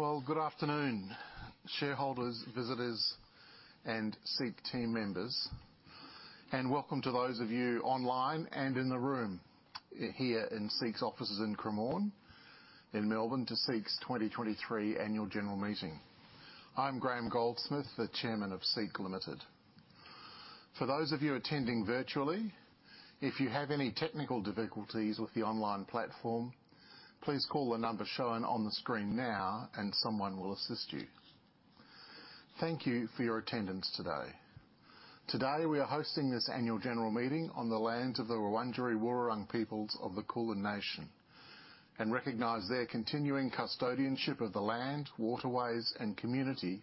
Well, good afternoon, shareholders, visitors, and SEEK team members, and welcome to those of you online and in the room here in SEEK's offices in Cremorne, in Melbourne, to SEEK's 2023 Annual General Meeting. I'm Graham Goldsmith, the Chairman of SEEK Limited. For those of you attending virtually, if you have any technical difficulties with the online platform, please call the number shown on the screen now and someone will assist you. Thank you for your attendance today. Today, we are hosting this annual general meeting on the lands of the Wurundjeri Woi-wurrung peoples of the Kulin Nation and recognize their continuing custodianship of the land, waterways, and community,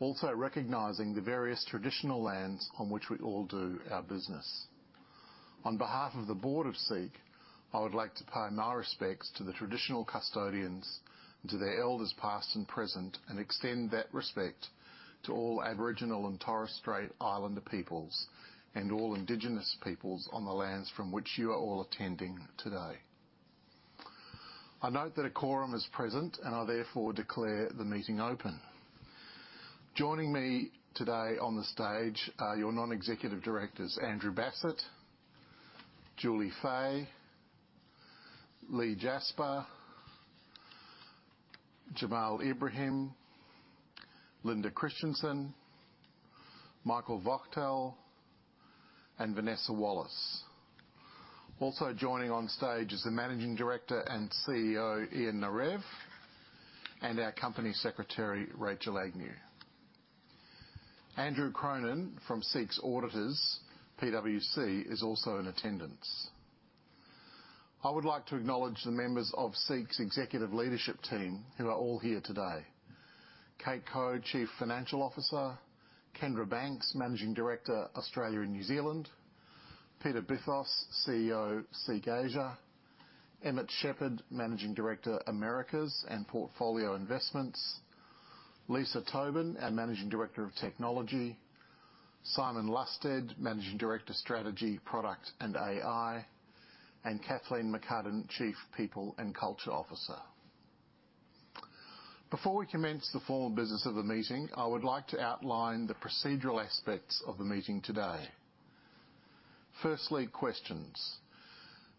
also recognizing the various traditional lands on which we all do our business. On behalf of the Board of SEEK, I would like to pay my respects to the traditional custodians, to their elders, past and present, and extend that respect to all Aboriginal and Torres Strait Islander peoples and all indigenous peoples on the lands from which you are all attending today. I note that a quorum is present, and I therefore declare the meeting open. Joining me today on the stage are your Non-Executive Directors, Andrew Bassat, Julie Fahey, Leigh Jasper, Jamaludin Ibrahim, Linda Kristjanson, Michael Wachtel, and Vanessa Wallace. Also joining on stage is the Managing Director and CEO, Ian Narev, and our Company Secretary, Rachel Agnew. Andrew Cronin from SEEK's auditors, PwC, is also in attendance. I would like to acknowledge the members of SEEK's executive leadership team, who are all here today. Kate Koch, Chief Financial Officer, Kendra Banks, Managing Director, Australia and New Zealand, Peter Bithos, CEO, SEEK Asia, Florian Dehnert, Managing Director, Americas and Portfolio Investments, Lisa Tobin, our Managing Director of Technology, Simon Lusted, Managing Director, Strategy, Product and AI, and Kathleen McCudden, Chief People and Culture Officer. Before we commence the formal business of the meeting, I would like to outline the procedural aspects of the meeting today. Firstly, questions.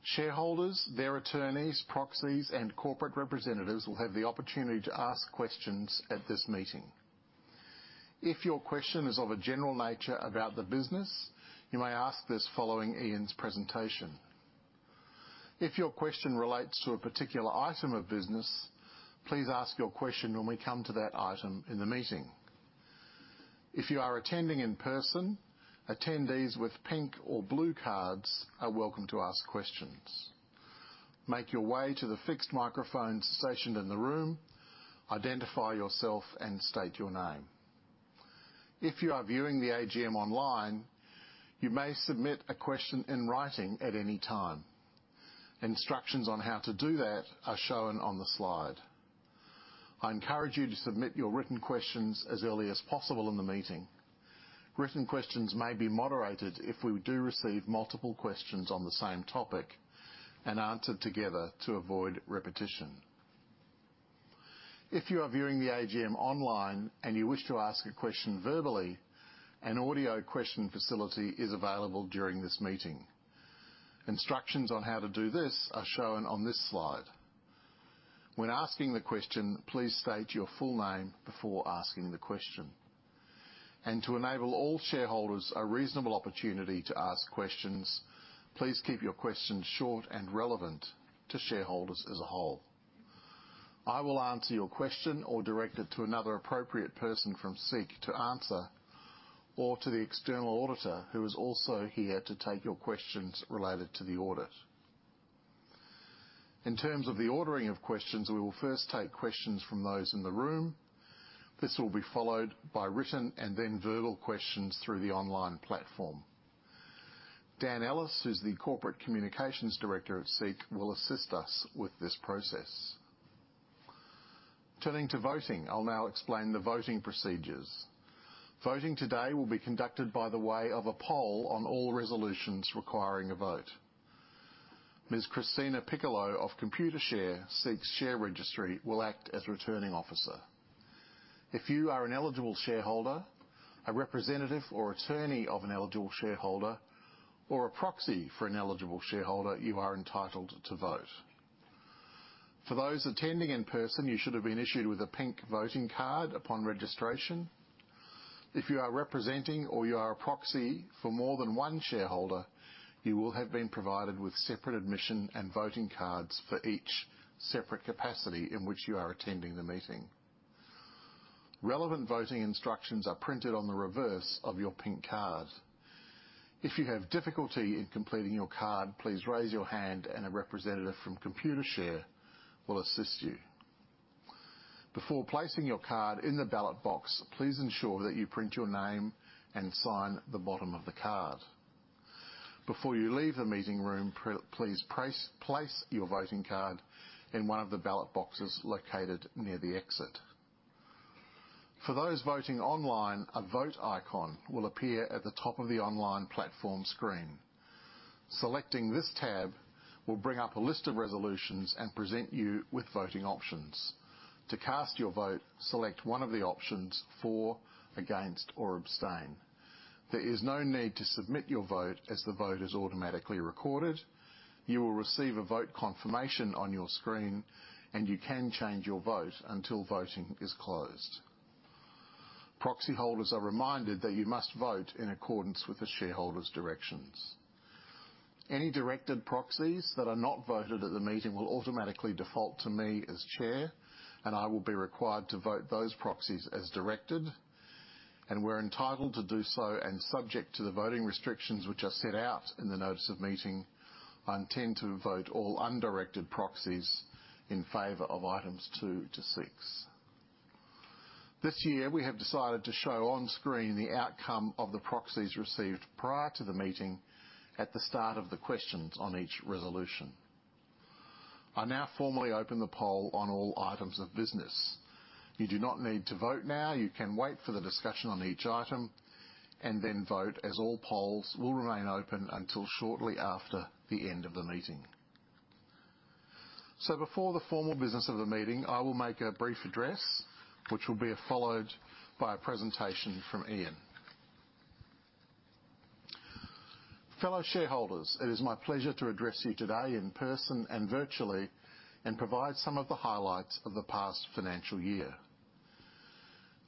Shareholders, their attorneys, proxies, and corporate representatives will have the opportunity to ask questions at this meeting. If your question is of a general nature about the business, you may ask this following Ian's presentation. If your question relates to a particular item of business, please ask your question when we come to that item in the meeting. If you are attending in person, attendees with pink or blue cards are welcome to ask questions. Make your way to the fixed microphone stationed in the room, identify yourself, and state your name. If you are viewing the AGM online, you may submit a question in writing at any time. Instructions on how to do that are shown on the slide. I encourage you to submit your written questions as early as possible in the meeting. Written questions may be moderated if we do receive multiple questions on the same topic and answered together to avoid repetition. If you are viewing the AGM online and you wish to ask a question verbally, an audio question facility is available during this meeting. Instructions on how to do this are shown on this slide. When asking the question, please state your full name before asking the question. To enable all shareholders a reasonable opportunity to ask questions, please keep your questions short and relevant to shareholders as a whole. I will answer your question or direct it to another appropriate person from SEEK to answer, or to the external auditor, who is also here to take your questions related to the audit. In terms of the ordering of questions, we will first take questions from those in the room. This will be followed by written and then verbal questions through the online platform. Dan Ellis, who's the Corporate Communications Director at SEEK, will assist us with this process. Turning to voting, I'll now explain the voting procedures. Voting today will be conducted by way of a poll on all resolutions requiring a vote. Ms. Christina Piccolo of Computershare, SEEK's share registry, will act as Returning Officer. If you are an eligible shareholder, a representative or attorney of an eligible shareholder, or a proxy for an eligible shareholder, you are entitled to vote. For those attending in person, you should have been issued with a pink voting card upon registration. If you are representing or you are a proxy for more than one shareholder, you will have been provided with separate admission and voting cards for each separate capacity in which you are attending the meeting. Relevant voting instructions are printed on the reverse of your pink card. If you have difficulty in completing your card, please raise your hand and a representative from Computershare will assist you. Before placing your card in the ballot box, please ensure that you print your name and sign the bottom of the card.... Before you leave the meeting room, please place your voting card in one of the ballot boxes located near the exit. For those voting online, a Vote icon will appear at the top of the online platform screen. Selecting this tab will bring up a list of resolutions and present you with voting options. To cast your vote, select one of the options: for, against, or abstain. There is no need to submit your vote, as the vote is automatically recorded. You will receive a vote confirmation on your screen, and you can change your vote until voting is closed. Proxy holders are reminded that you must vote in accordance with the shareholders' directions. Any directed proxies that are not voted at the meeting will automatically default to me as Chair, and I will be required to vote those proxies as directed, and we're entitled to do so, and subject to the voting restrictions which are set out in the notice of meeting, I intend to vote all undirected proxies in favor of items two to six. This year, we have decided to show on screen the outcome of the proxies received prior to the meeting at the start of the questions on each resolution. I now formally open the poll on all items of business. You do not need to vote now. You can wait for the discussion on each item and then vote, as all polls will remain open until shortly after the end of the meeting. So before the formal business of the meeting, I will make a brief address, which will be followed by a presentation from Ian. Fellow shareholders, it is my pleasure to address you today in person and virtually, and provide some of the highlights of the past financial year.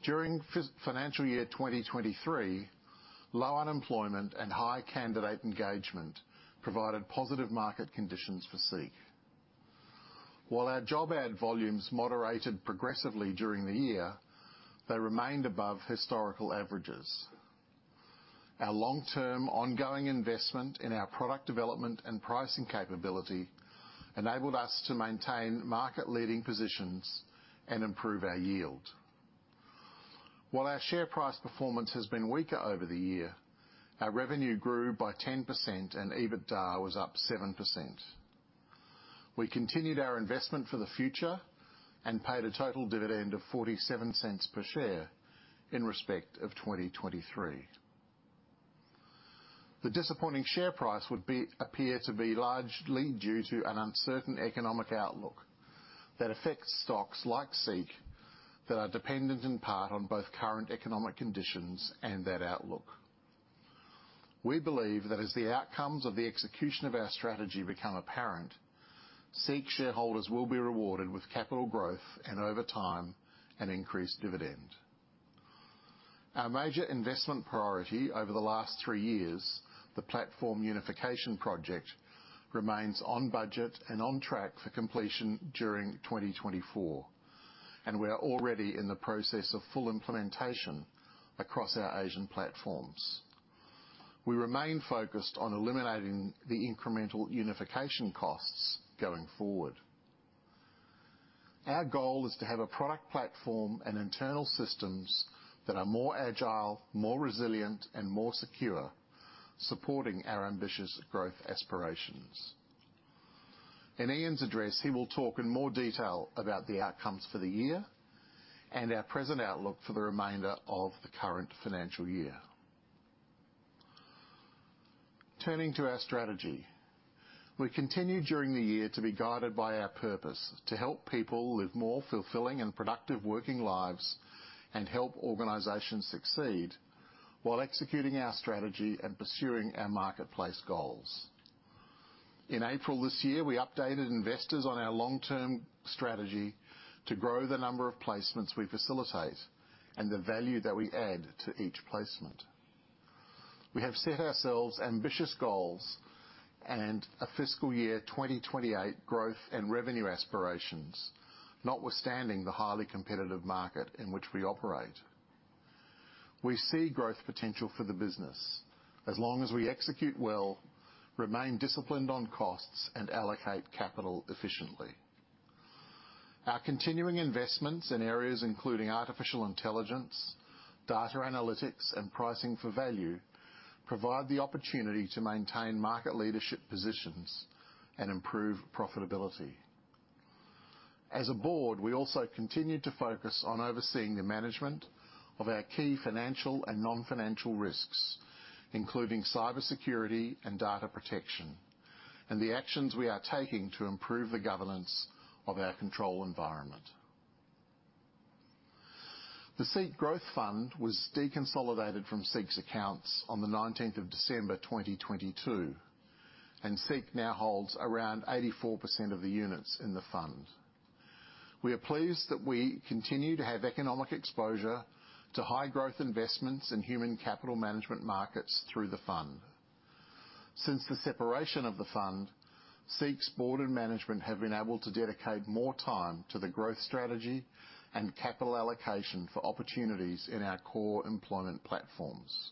During financial year 2023, low unemployment and high candidate engagement provided positive market conditions for SEEK. While our job ad volumes moderated progressively during the year, they remained above historical averages. Our long-term, ongoing investment in our product development and pricing capability enabled us to maintain market-leading positions and improve our yield. While our share price performance has been weaker over the year, our revenue grew by 10%, and EBITDA was up 7%. We continued our investment for the future and paid a total dividend of 0.47 per share in respect of 2023. The disappointing share price would appear to be largely due to an uncertain economic outlook that affects stocks like SEEK, that are dependent in part on both current economic conditions and that outlook. We believe that as the outcomes of the execution of our strategy become apparent, SEEK shareholders will be rewarded with capital growth and, over time, an increased dividend. Our major investment priority over the last three years, the Platform Unification project, remains on budget and on track for completion during 2024, and we're already in the process of full implementation across our Asian platforms. We remain focused on eliminating the incremental unification costs going forward. Our goal is to have a product platform and internal systems that are more agile, more resilient, and more secure, supporting our ambitious growth aspirations. In Ian's address, he will talk in more detail about the outcomes for the year and our present outlook for the remainder of the current financial year. Turning to our strategy, we continued during the year to be guided by our purpose: to help people live more fulfilling and productive working lives and help organizations succeed while executing our strategy and pursuing our marketplace goals. In April this year, we updated investors on our long-term strategy to grow the number of placements we facilitate and the value that we add to each placement. We have set ourselves ambitious goals and a fiscal year 2028 growth and revenue aspirations, notwithstanding the highly competitive market in which we operate. We see growth potential for the business as long as we execute well, remain disciplined on costs, and allocate capital efficiently. Our continuing investments in areas including artificial intelligence, data analytics, and pricing for value, provide the opportunity to maintain market leadership positions and improve profitability. As a board, we also continue to focus on overseeing the management of our key financial and non-financial risks, including cybersecurity and data protection, and the actions we are taking to improve the governance of our control environment. The SEEK Growth Fund was deconsolidated from SEEK's accounts on the nineteenth of December, 2022, and SEEK now holds around 84% of the units in the fund. We are pleased that we continue to have economic exposure to high-growth investments in human capital management markets through the fund. Since the separation of the fund, SEEK's board and management have been able to dedicate more time to the growth strategy and capital allocation for opportunities in our core employment platforms.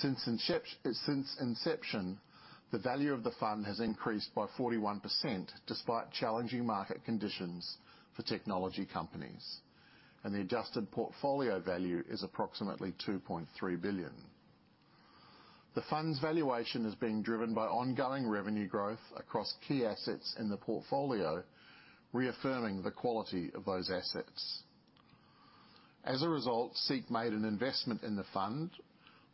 Since inception, the value of the fund has increased by 41%, despite challenging market conditions for technology companies, and the adjusted portfolio value is approximately 2.3 billion. The fund's valuation is being driven by ongoing revenue growth across key assets in the portfolio, reaffirming the quality of those assets. As a result, SEEK made an investment in the fund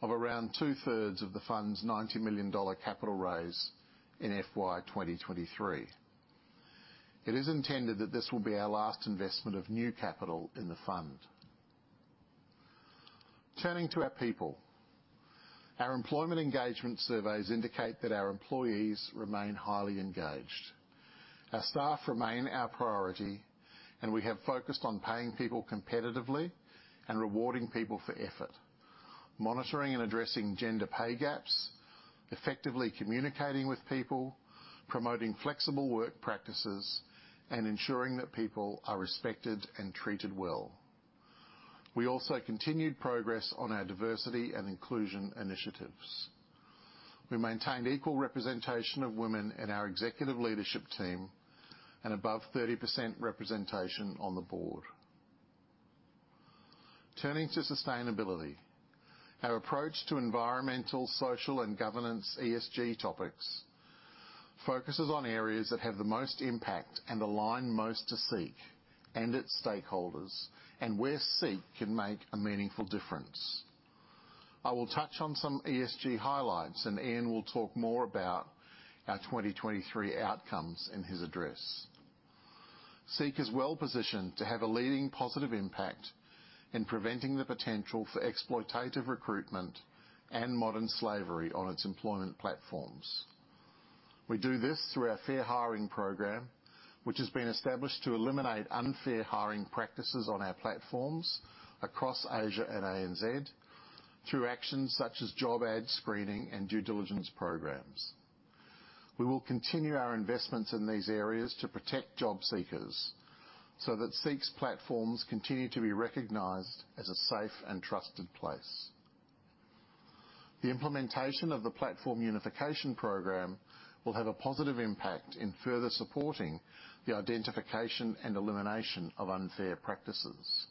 of around two-thirds of the fund's 90 million dollar capital raise in FY 2023. It is intended that this will be our last investment of new capital in the fund. Turning to our people, our employment engagement surveys indicate that our employees remain highly engaged. Our staff remain our priority, and we have focused on paying people competitively and rewarding people for effort, monitoring and addressing gender pay gaps, effectively communicating with people, promoting flexible work practices, and ensuring that people are respected and treated well. We also continued progress on our diversity and inclusion initiatives. We maintained equal representation of women in our executive leadership team and above 30% representation on the board. Turning to sustainability, our approach to environmental, social, and governance ESG topics focuses on areas that have the most impact and align most to SEEK and its stakeholders, and where SEEK can make a meaningful difference. I will touch on some ESG highlights, and Ian will talk more about our 2023 outcomes in his address. SEEK is well-positioned to have a leading positive impact in preventing the potential for exploitative recruitment and modern slavery on its employment platforms. We do this through our Fair Hiring program, which has been established to eliminate unfair hiring practices on our platforms across Asia and ANZ through actions such as job ad screening and due diligence programs. We will continue our investments in these areas to protect job seekers so that SEEK's platforms continue to be recognized as a safe and trusted place. The implementation of the Platform Unification program will have a positive impact in further supporting the identification and elimination of unfair practices.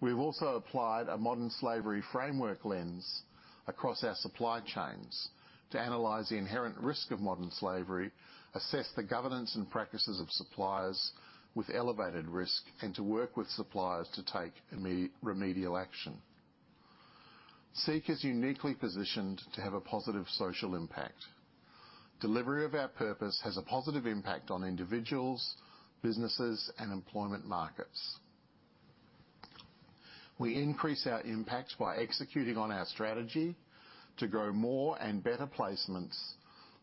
We've also applied a modern slavery framework lens across our supply chains to analyze the inherent risk of modern slavery, assess the governance and practices of suppliers with elevated risk, and to work with suppliers to take immediate remedial action. SEEK is uniquely positioned to have a positive social impact. Delivery of our purpose has a positive impact on individuals, businesses, and employment markets. We increase our impact by executing on our strategy to grow more and better placements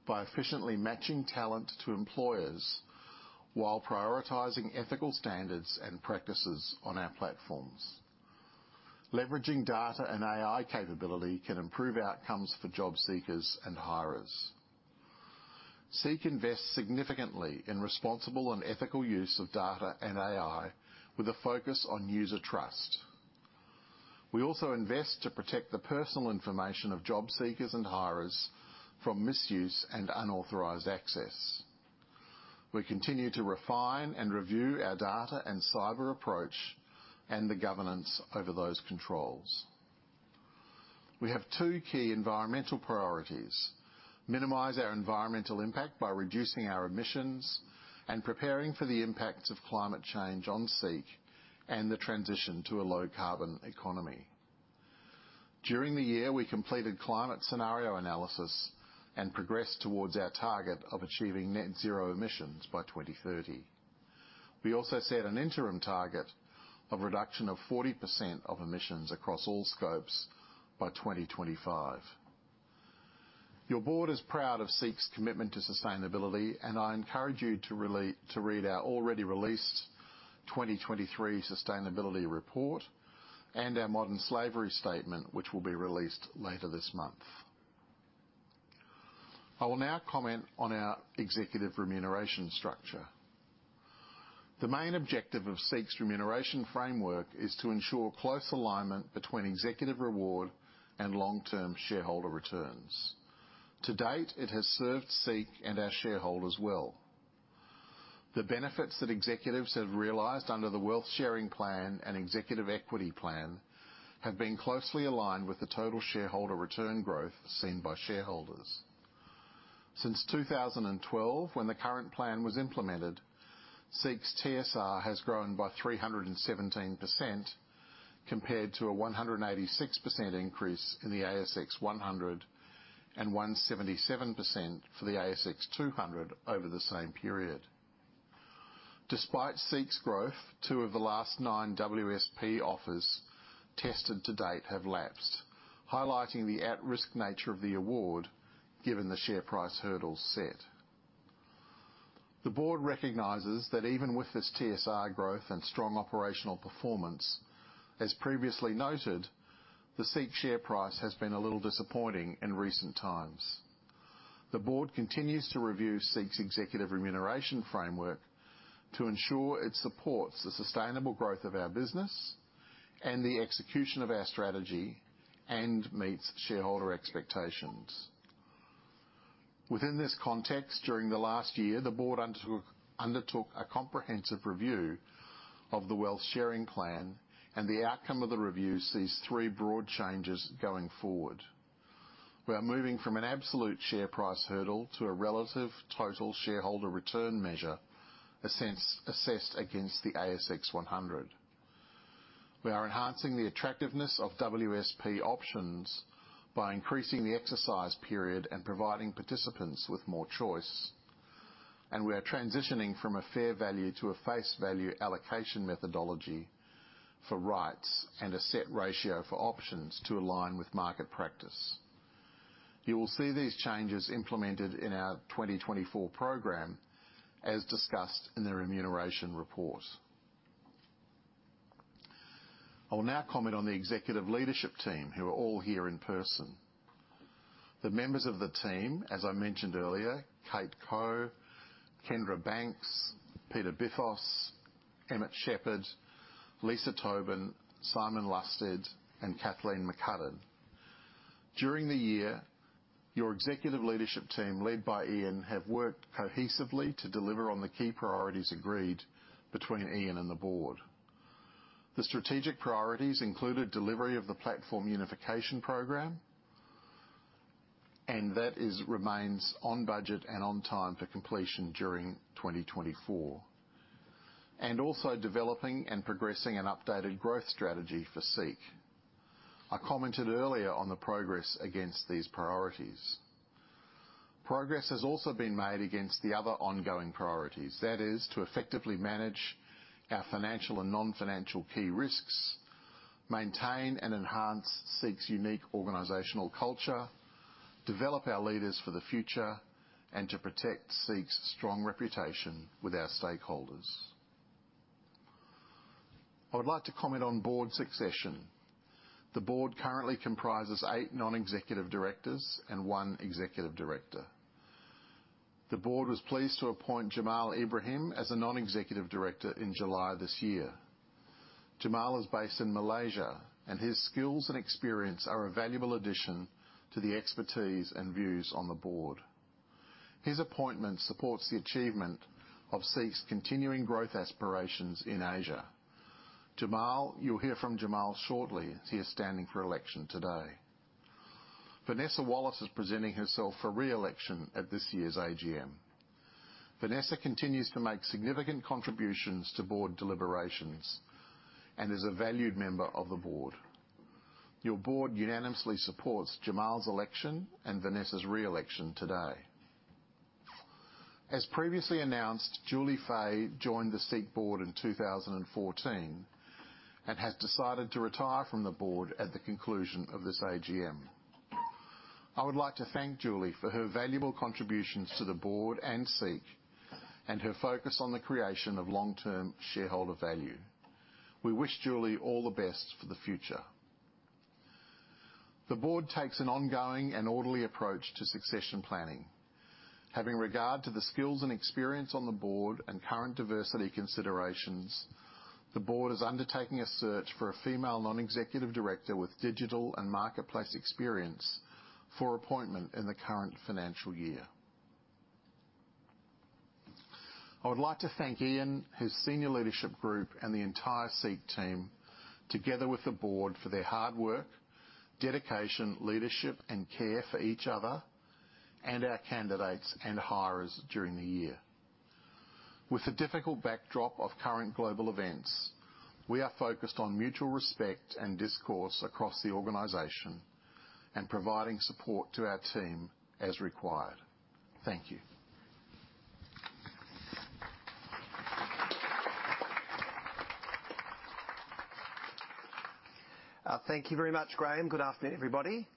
by efficiently matching talent to employers while prioritizing ethical standards and practices on our platforms. Leveraging data and AI capability can improve outcomes for job seekers and hirers. SEEK invests significantly in responsible and ethical use of data and AI with a focus on user trust. We also invest to protect the personal information of job seekers and hirers from misuse and unauthorized access. We continue to refine and review our data and cyber approach and the governance over those controls. We have two key environmental priorities: minimize our environmental impact by reducing our emissions, and preparing for the impacts of climate change on SEEK and the transition to a low-carbon economy. During the year, we completed climate scenario analysis and progressed towards our target of achieving Net Zero emissions by 2030. We also set an interim target of reduction of 40% of emissions across all scopes by 2025. Your board is proud of SEEK's commitment to sustainability, and I encourage you to read our already released 2023 Sustainability Report and our Modern Slavery Statement, which will be released later this month. I will now comment on our executive remuneration structure. The main objective of SEEK's remuneration framework is to ensure close alignment between executive reward and long-term shareholder returns. To date, it has served SEEK and our shareholders well. The benefits that executives have realized under the Wealth Sharing Plan and Executive Equity Plan have been closely aligned with the Total Shareholder Return growth seen by shareholders. Since 2012, when the current plan was implemented, SEEK's TSR has grown by 317%, compared to a 186% increase in the ASX 100, and 177% for the ASX 200 over the same period. Despite SEEK's growth, two of the last nine WSP offers tested to date have lapsed, highlighting the at-risk nature of the award, given the share price hurdles set. The board recognizes that even with this TSR growth and strong operational performance, as previously noted, the SEEK share price has been a little disappointing in recent times. The board continues to review SEEK's executive remuneration framework to ensure it supports the sustainable growth of our business and the execution of our strategy and meets shareholder expectations. Within this context, during the last year, the board undertook a comprehensive review of the Wealth Sharing Plan, and the outcome of the review sees three broad changes going forward. We are moving from an absolute share price hurdle to a relative total shareholder return measure assessed against the ASX 100. We are enhancing the attractiveness of WSP options by increasing the exercise period and providing participants with more choice, and we are transitioning from a fair value to a face value allocation methodology for rights and a set ratio for options to align with market practice. You will see these changes implemented in our 2024 program, as discussed in the remuneration report. I will now comment on the executive leadership team, who are all here in person. The members of the team, as I mentioned earlier, Kate Koch, Kendra Banks, Peter Bithos, Florian Dehnert, Lisa Tobin, Simon Lusted, and Kathleen McCudden. During the year, your executive leadership team, led by Ian, have worked cohesively to deliver on the key priorities agreed between Ian and the board. The strategic priorities included delivery of the Platform Unification program, and that is remains on budget and on time for completion during 2024, and also developing and progressing an updated growth strategy for SEEK. I commented earlier on the progress against these priorities. Progress has also been made against the other ongoing priorities, that is, to effectively manage our financial and non-financial key risks, maintain and enhance SEEK's unique organizational culture, develop our leaders for the future, and to protect SEEK's strong reputation with our stakeholders. I would like to comment on board succession. The board currently comprises eight non-executive directors and one executive director. The board was pleased to appoint Jamaludin Ibrahim as a non-executive director in July this year. Jamal is based in Malaysia, and his skills and experience are a valuable addition to the expertise and views on the board. His appointment supports the achievement of SEEK's continuing growth aspirations in Asia. Jamal. You'll hear from Jamal shortly, as he is standing for election today. Vanessa Wallace is presenting herself for re-election at this year's AGM. Vanessa continues to make significant contributions to board deliberations and is a valued member of the board. Your board unanimously supports Jamal's election and Vanessa's re-election today. As previously announced, Julie Fahey joined the SEEK board in 2014 and has decided to retire from the board at the conclusion of this AGM. I would like to thank Julie for her valuable contributions to the board and SEEK, and her focus on the creation of long-term shareholder value. We wish Julie all the best for the future. The board takes an ongoing and orderly approach to succession planning. Having regard to the skills and experience on the board and current diversity considerations, the board is undertaking a search for a female non-executive director with digital and marketplace experience for appointment in the current financial year. I would like to thank Ian, his senior leadership group, and the entire SEEK team, together with the board, for their hard work, dedication, leadership, and care for each other and our candidates and hirers during the year. With the difficult backdrop of current global events, we are focused on mutual respect and discourse across the organization and providing support to our team as required. Thank you. Thank you very much, Graham. Good afternoon, everybody.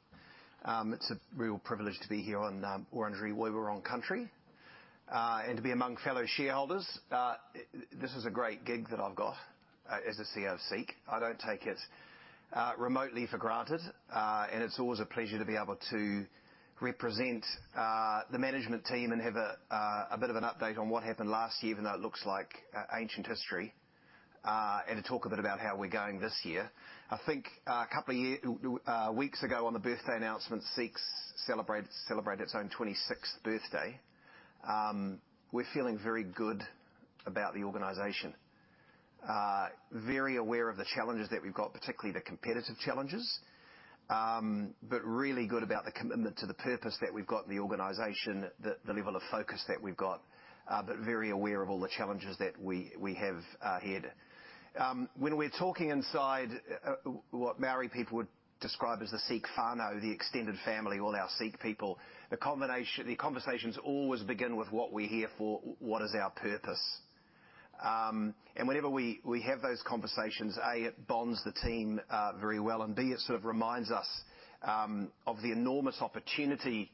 It's a real privilege to be here on Wurundjeri Woi-wurrung country and to be among fellow shareholders. This is a great gig that I've got as the CEO of SEEK. I don't take it remotely for granted and it's always a pleasure to be able to represent the management team and have a bit of an update on what happened last year, even though it looks like ancient history and to talk a bit about how we're going this year. I think, a couple of weeks ago, on the birthday announcement, SEEK celebrated, celebrated its own 26th birthday. We're feeling very good about the organization. Very aware of the challenges that we've got, particularly the competitive challenges, but really good about the commitment to the purpose that we've got in the organization, the level of focus that we've got, but very aware of all the challenges that we have ahead. When we're talking inside, what Māori people would describe as the SEEK whānau, the extended family, all our SEEK people, the conversations always begin with what we're here for, what is our purpose? And whenever we have those conversations, A, it bonds the team very well, and B, it sort of reminds us of the enormous opportunity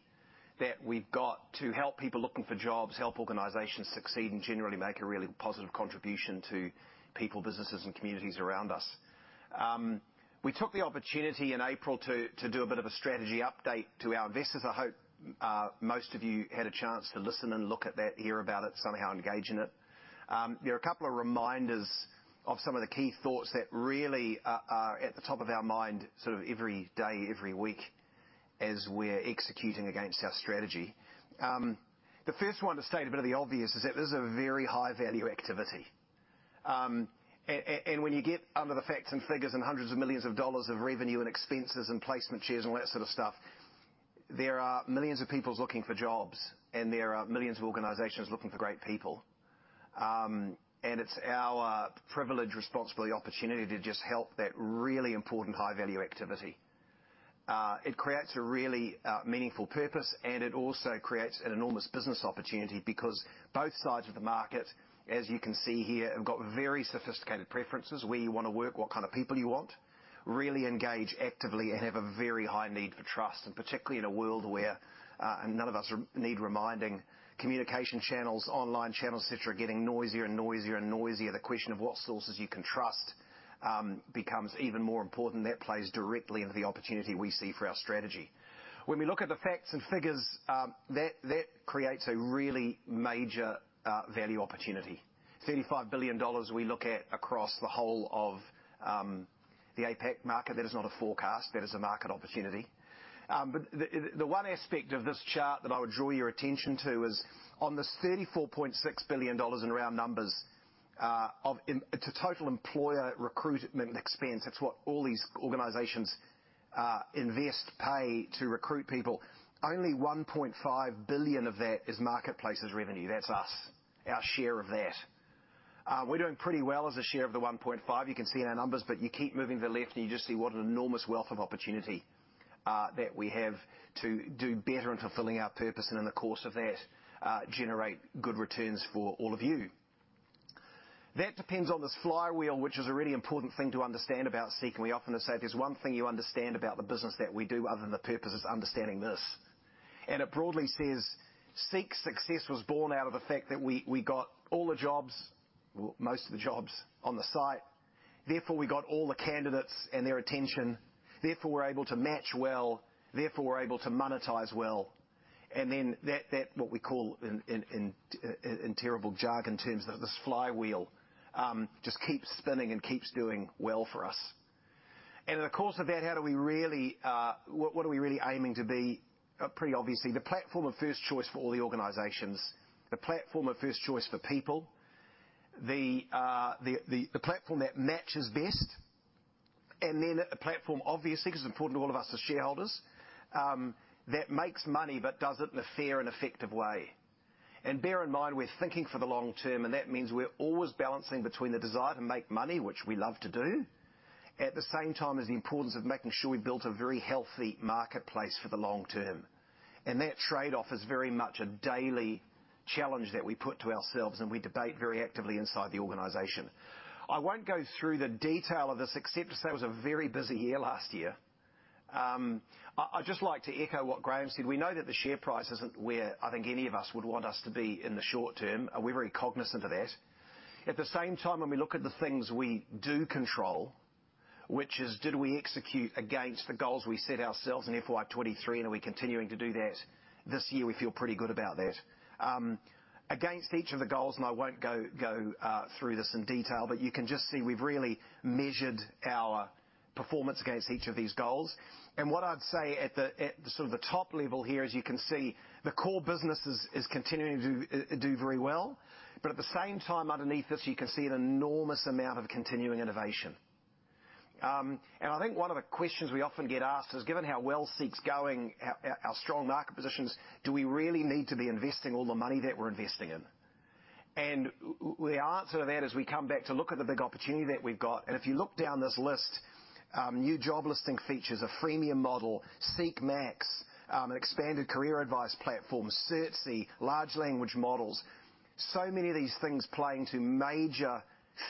that we've got to help people looking for jobs, help organizations succeed, and generally make a really positive contribution to people, businesses, and communities around us. We took the opportunity in April to do a bit of a strategy update to our investors. I hope most of you had a chance to listen and look at that, hear about it, somehow engage in it. There are a couple of reminders of some of the key thoughts that really are at the top of our mind, sort of every day, every week... as we're executing against our strategy. The first one, to state a bit of the obvious, is that this is a very high-value activity. And when you get under the facts and figures and hundreds of millions of AUD of revenue and expenses and placement shares and all that sort of stuff, there are millions of people looking for jobs, and there are millions of organizations looking for great people. And it's our privilege, responsibility, opportunity to just help that really important high-value activity. It creates a really meaningful purpose, and it also creates an enormous business opportunity because both sides of the market, as you can see here, have got very sophisticated preferences. Where you want to work, what kind of people you want, really engage actively and have a very high need for trust, and particularly in a world where, and none of us need reminding, communication channels, online channels, et cetera, are getting noisier and noisier, and noisier. The question of what sources you can trust becomes even more important. That plays directly into the opportunity we see for our strategy. When we look at the facts and figures, that creates a really major value opportunity. $35 billion we look at across the whole of the APAC market. That is not a forecast, that is a market opportunity. But the one aspect of this chart that I would draw your attention to is on this 34.6 billion dollars in round numbers, of it's a total employer recruitment expense. It's what all these organizations invest, pay to recruit people. Only 1.5 billion of that is marketplaces revenue. That's us, our share of that. We're doing pretty well as a share of the 1.5, you can see in our numbers, but you keep moving to the left, and you just see what an enormous wealth of opportunity that we have to do better in fulfilling our purpose, and in the course of that, generate good returns for all of you. That depends on this flywheel, which is a really important thing to understand about SEEK, and we often say if there's one thing you understand about the business that we do, other than the purpose, is understanding this. And it broadly says, SEEK success was born out of the fact that we got all the jobs, well, most of the jobs on the site. Therefore, we got all the candidates and their attention. Therefore, we're able to match well, therefore, we're able to monetize well, and then that what we call in terrible jargon terms, this flywheel. Just keeps spinning and keeps doing well for us. And in the course of that, how do we really? What are we really aiming to be? Pretty obviously, the platform of first choice for all the organizations, the platform of first choice for people, the platform that matches best, and then a platform, obviously, because it's important to all of us as shareholders, that makes money, but does it in a fair and effective way. And bear in mind, we're thinking for the long term, and that means we're always balancing between the desire to make money, which we love to do, at the same time, as the importance of making sure we've built a very healthy marketplace for the long term. And that trade-off is very much a daily challenge that we put to ourselves, and we debate very actively inside the organization. I won't go through the detail of this, except to say it was a very busy year last year. I'd just like to echo what Graham said. We know that the share price isn't where I think any of us would want us to be in the short term, and we're very cognizant of that. At the same time, when we look at the things we do control, which is, did we execute against the goals we set ourselves in FY 2023, and are we continuing to do that this year? We feel pretty good about that. Against each of the goals, and I won't go through this in detail, but you can just see we've really measured our performance against each of these goals. What I'd say at the sort of the top level here, as you can see, the core business is continuing to do very well. But at the same time, underneath this, you can see an enormous amount of continuing innovation. And I think one of the questions we often get asked is, given how well SEEK's going, our strong market positions, do we really need to be investing all the money that we're investing in? And the answer to that is, we come back to look at the big opportunity that we've got. And if you look down this list, new job listing features, a freemium model, SEEK Max, an expanded career advice platform, Certsy, large language models. So many of these things playing to major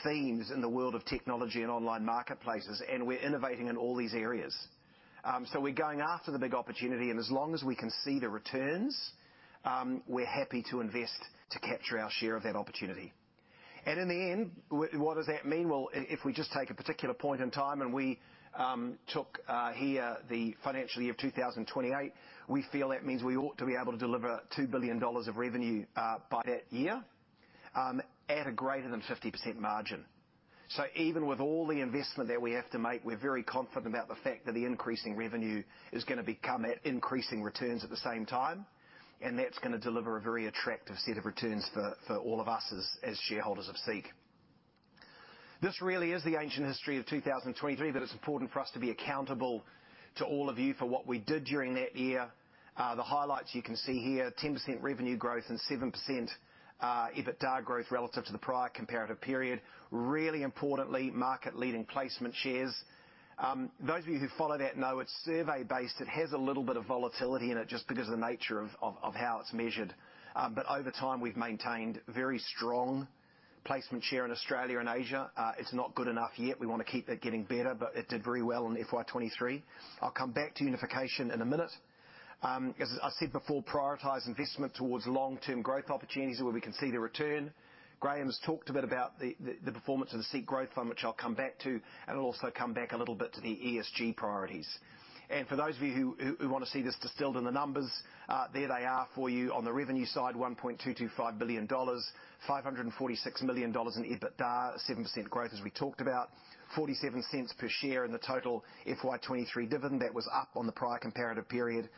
themes in the world of technology and online marketplaces, and we're innovating in all these areas. So we're going after the big opportunity, and as long as we can see the returns, we're happy to invest to capture our share of that opportunity. And in the end, what does that mean? Well, if we just take a particular point in time, and we took here the financial year of 2028, we feel that means we ought to be able to deliver 2 billion dollars of revenue by that year at a greater than 50% margin. So even with all the investment that we have to make, we're very confident about the fact that the increasing revenue is gonna become at increasing returns at the same time, and that's gonna deliver a very attractive set of returns for all of us as shareholders of SEEK. This really is the ancient history of 2023, but it's important for us to be accountable to all of you for what we did during that year. The highlights you can see here, 10% revenue growth and 7%, EBITDA growth relative to the prior comparative period. Really importantly, market-leading placement shares. Those of you who follow that know it's survey-based. It has a little bit of volatility in it, just because of the nature of how it's measured. But over time, we've maintained very strong placement share in Australia and Asia. It's not good enough yet. We want to keep it getting better, but it did very well in FY 2023. I'll come back to unification in a minute. As I said before, prioritize investment towards long-term growth opportunities where we can see the return. Graham's talked a bit about the performance of the SEEK Growth Fund, which I'll come back to, and I'll also come back a little bit to the ESG priorities. For those of you who want to see this distilled in the numbers, there they are for you. On the revenue side, 1.225 billion dollars, 546 million dollars in EBITDA, 7% growth, as we talked about. 0.47 per share in the total FY 2023 dividend, that was up on the prior comparative period.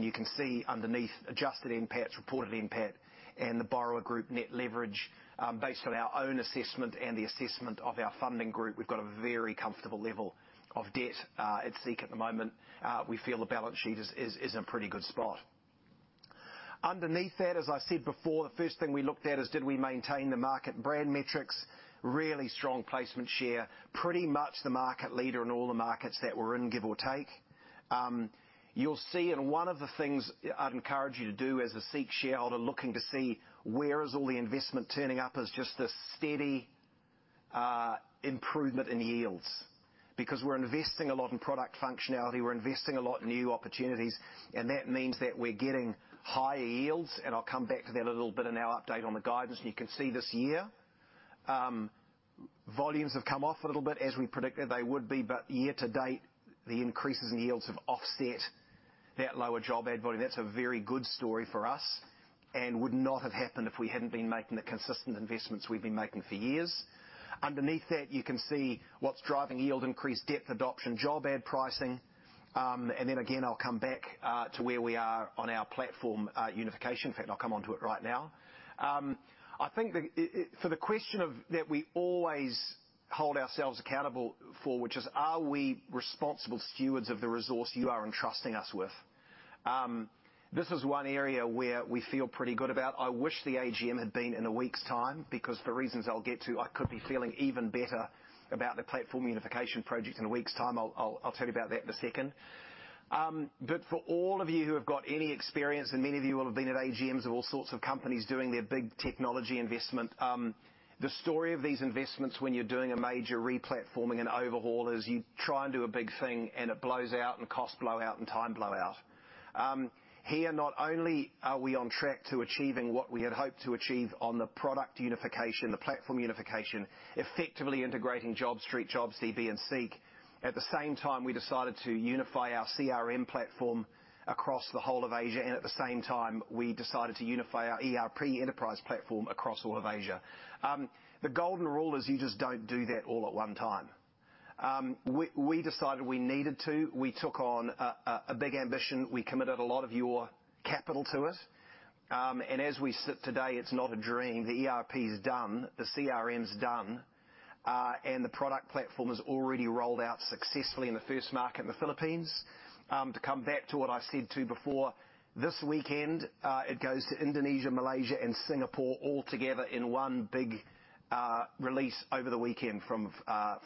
You can see underneath, adjusted NPAT, reported NPAT, and the borrower group net leverage. Based on our own assessment and the assessment of our funding group, we've got a very comfortable level of debt at SEEK at the moment. We feel the balance sheet is in a pretty good spot. Underneath that, as I said before, the first thing we looked at is, did we maintain the market brand metrics? Really strong placement share, pretty much the market leader in all the markets that we're in, give or take. You'll see, and one of the things I'd encourage you to do as a SEEK shareholder, looking to see where is all the investment turning up, is just this steady improvement in yields. Because we're investing a lot in product functionality, we're investing a lot in new opportunities, and that means that we're getting higher yields, and I'll come back to that a little bit in our update on the guidance. And you can see this year, volumes have come off a little bit as we predicted they would be, but year to date, the increases in yields have offset that lower job ad volume. That's a very good story for us, and would not have happened if we hadn't been making the consistent investments we've been making for years. Underneath that, you can see what's driving yield increase, depth adoption, job ad pricing. And then again, I'll come back to where we are on our Platform Unification. In fact, I'll come on to it right now. I think the for the question of that we always hold ourselves accountable for, which is, are we responsible stewards of the resource you are entrusting us with? This is one area where we feel pretty good about. I wish the AGM had been in a week's time, because for reasons I'll get to, I could be feeling even better about the Platform Unification project in a week's time. I'll, I'll, I'll tell you about that in a second. But for all of you who have got any experience, and many of you will have been at AGMs of all sorts of companies doing their big technology investment, the story of these investments when you're doing a major replatforming and overhaul is you try and do a big thing, and it blows out, and cost blowout and time blowout. Here, not only are we on track to achieving what we had hoped to achieve on the product unification, the Platform Unification, effectively integrating JobStreet, JobsDB, and SEEK. At the same time, we decided to unify our CRM platform across the whole of Asia, and at the same time, we decided to unify our ERP enterprise platform across all of Asia. The golden rule is you just don't do that all at one time. We decided we needed to. We took on a big ambition. We committed a lot of your capital to it. And as we sit today, it's not a dream. The ERP is done, the CRM is done, and the product platform is already rolled out successfully in the first market in the Philippines. To come back to what I said, too, before, this weekend, it goes to Indonesia, Malaysia, and Singapore all together in one big release over the weekend from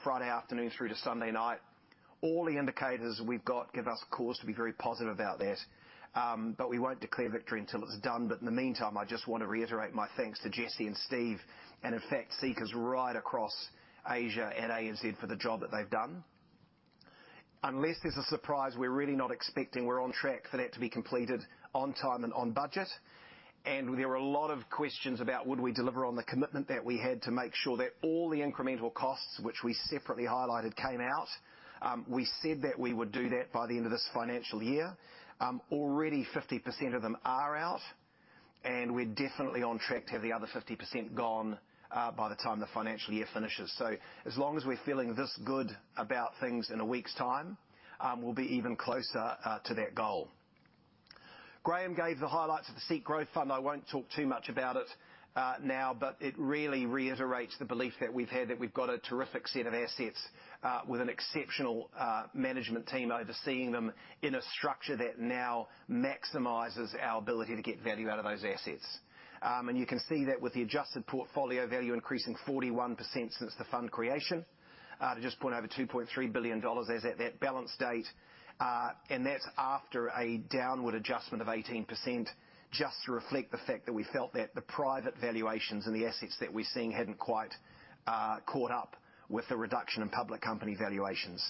Friday afternoon through to Sunday night. All the indicators we've got give us cause to be very positive about that. But we won't declare victory until it's done. But in the meantime, I just want to reiterate my thanks to Jesse and Steve, and in fact, SEEKers right across Asia and ANZ for the job that they've done. Unless there's a surprise we're really not expecting, we're on track for that to be completed on time and on budget. And there are a lot of questions about would we deliver on the commitment that we had to make sure that all the incremental costs, which we separately highlighted, came out. We said that we would do that by the end of this financial year. Already 50% of them are out, and we're definitely on track to have the other 50% gone, by the time the financial year finishes. So as long as we're feeling this good about things in a week's time, we'll be even closer to that goal. Graham gave the highlights of the SEEK Growth Fund. I won't talk too much about it now, but it really reiterates the belief that we've had that we've got a terrific set of assets with an exceptional management team overseeing them in a structure that now maximizes our ability to get value out of those assets. And you can see that with the adjusted portfolio value increasing 41% since the fund creation to just over 2.3 billion dollars as at that balance date. and that's after a downward adjustment of 18%, just to reflect the fact that we felt that the private valuations and the assets that we're seeing hadn't quite caught up with the reduction in public company valuations.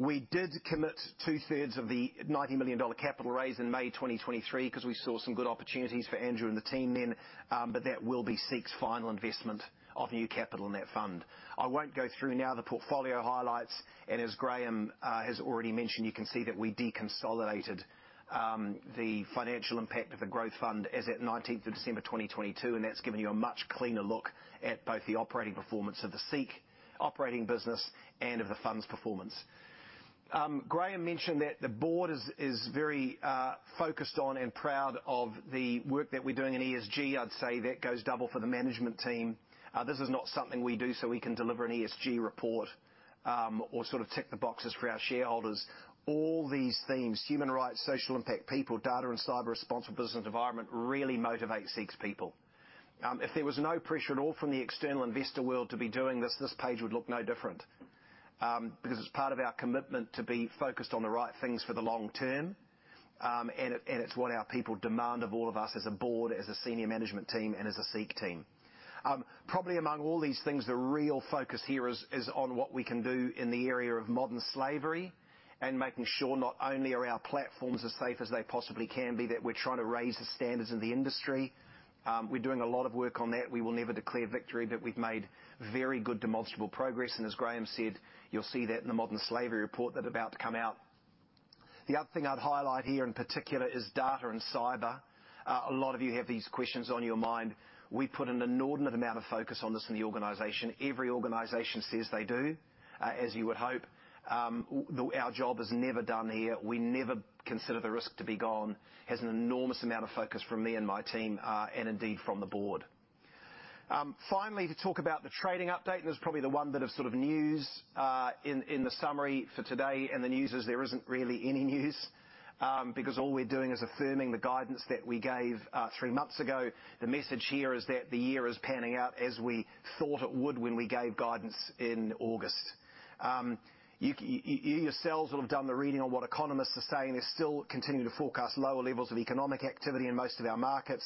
We did commit two-thirds of the 90 million dollar capital raise in May 2023, 'cause we saw some good opportunities for Andrew and the team then. But that will be SEEK's final investment of new capital in that fund. I won't go through now the portfolio highlights, and as Graham has already mentioned, you can see that we deconsolidated the financial impact of the Growth Fund as at nineteenth of December 2022, and that's given you a much cleaner look at both the operating performance of the SEEK operating business and of the fund's performance. Graham mentioned that the board is very focused on and proud of the work that we're doing in ESG. I'd say that goes double for the management team. This is not something we do so we can deliver an ESG report or sort of tick the boxes for our shareholders. All these themes, human rights, social impact, people, data and cyber, responsible business, environment, really motivate SEEK's people. If there was no pressure at all from the external investor world to be doing this, this page would look no different because it's part of our commitment to be focused on the right things for the long term. And it's what our people demand of all of us as a board, as a senior management team, and as a SEEK team. Probably among all these things, the real focus here is, is on what we can do in the area of Modern Slavery and making sure not only are our platforms as safe as they possibly can be, that we're trying to raise the standards in the industry. We're doing a lot of work on that. We will never declare victory, but we've made very good demonstrable progress, and as Graham said, you'll see that in the Modern Slavery report that are about to come out. The other thing I'd highlight here in particular is data and cyber. A lot of you have these questions on your mind. We put an inordinate amount of focus on this in the organization. Every organization says they do, as you would hope. Our job is never done here. We never consider the risk to be gone. Has an enormous amount of focus from me and my team, and indeed from the board. Finally, to talk about the trading update, and this is probably the one bit of sort of news in the summary for today. And the news is there isn't really any news, because all we're doing is affirming the guidance that we gave three months ago. The message here is that the year is panning out as we thought it would when we gave guidance in August. You yourselves will have done the reading on what economists are saying. They still continue to forecast lower levels of economic activity in most of our markets.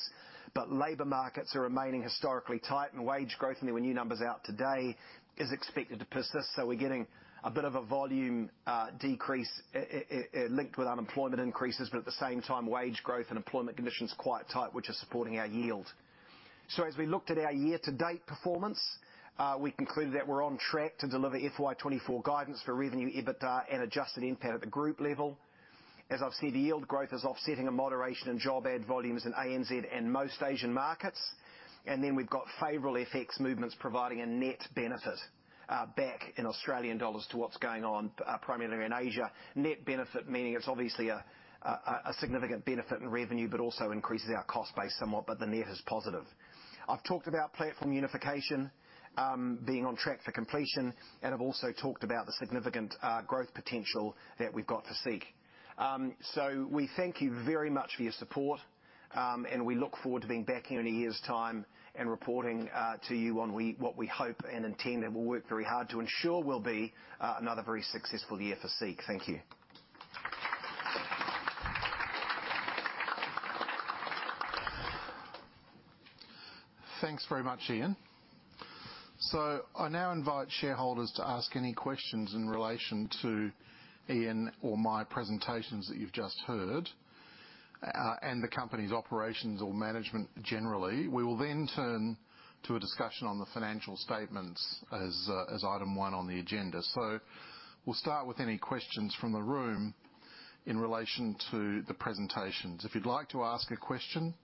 But labor markets are remaining historically tight, and wage growth, and there were new numbers out today, is expected to persist. So we're getting a bit of a volume decrease linked with unemployment increases. But at the same time, wage growth and employment conditions quite tight, which is supporting our yield. So as we looked at our year-to-date performance, we concluded that we're on track to deliver FY 2024 guidance for revenue, EBITDA and adjusted NPAT at the group level. As I've said, yield growth is offsetting a moderation in job ad volumes in ANZ and most Asian markets. And then we've got favorable FX movements providing a net benefit back in Australian dollars to what's going on primarily in Asia. Net benefit, meaning it's obviously a significant benefit in revenue, but also increases our cost base somewhat, but the net is positive. I've talked about Platform Unification being on track for completion, and I've also talked about the significant growth potential that we've got for SEEK. So we thank you very much for your support, and we look forward to being back here in a year's time and reporting to you on what we hope and intend, and we'll work very hard to ensure will be another very successful year for SEEK. Thank you. Thanks very much, Ian. So I now invite shareholders to ask any questions in relation to Ian or my presentations that you've just heard, and the company's operations or management generally. We will then turn to a discussion on the financial statements as, as item one on the agenda. So we'll start with any questions from the room in relation to the presentations. If you'd like to ask a question,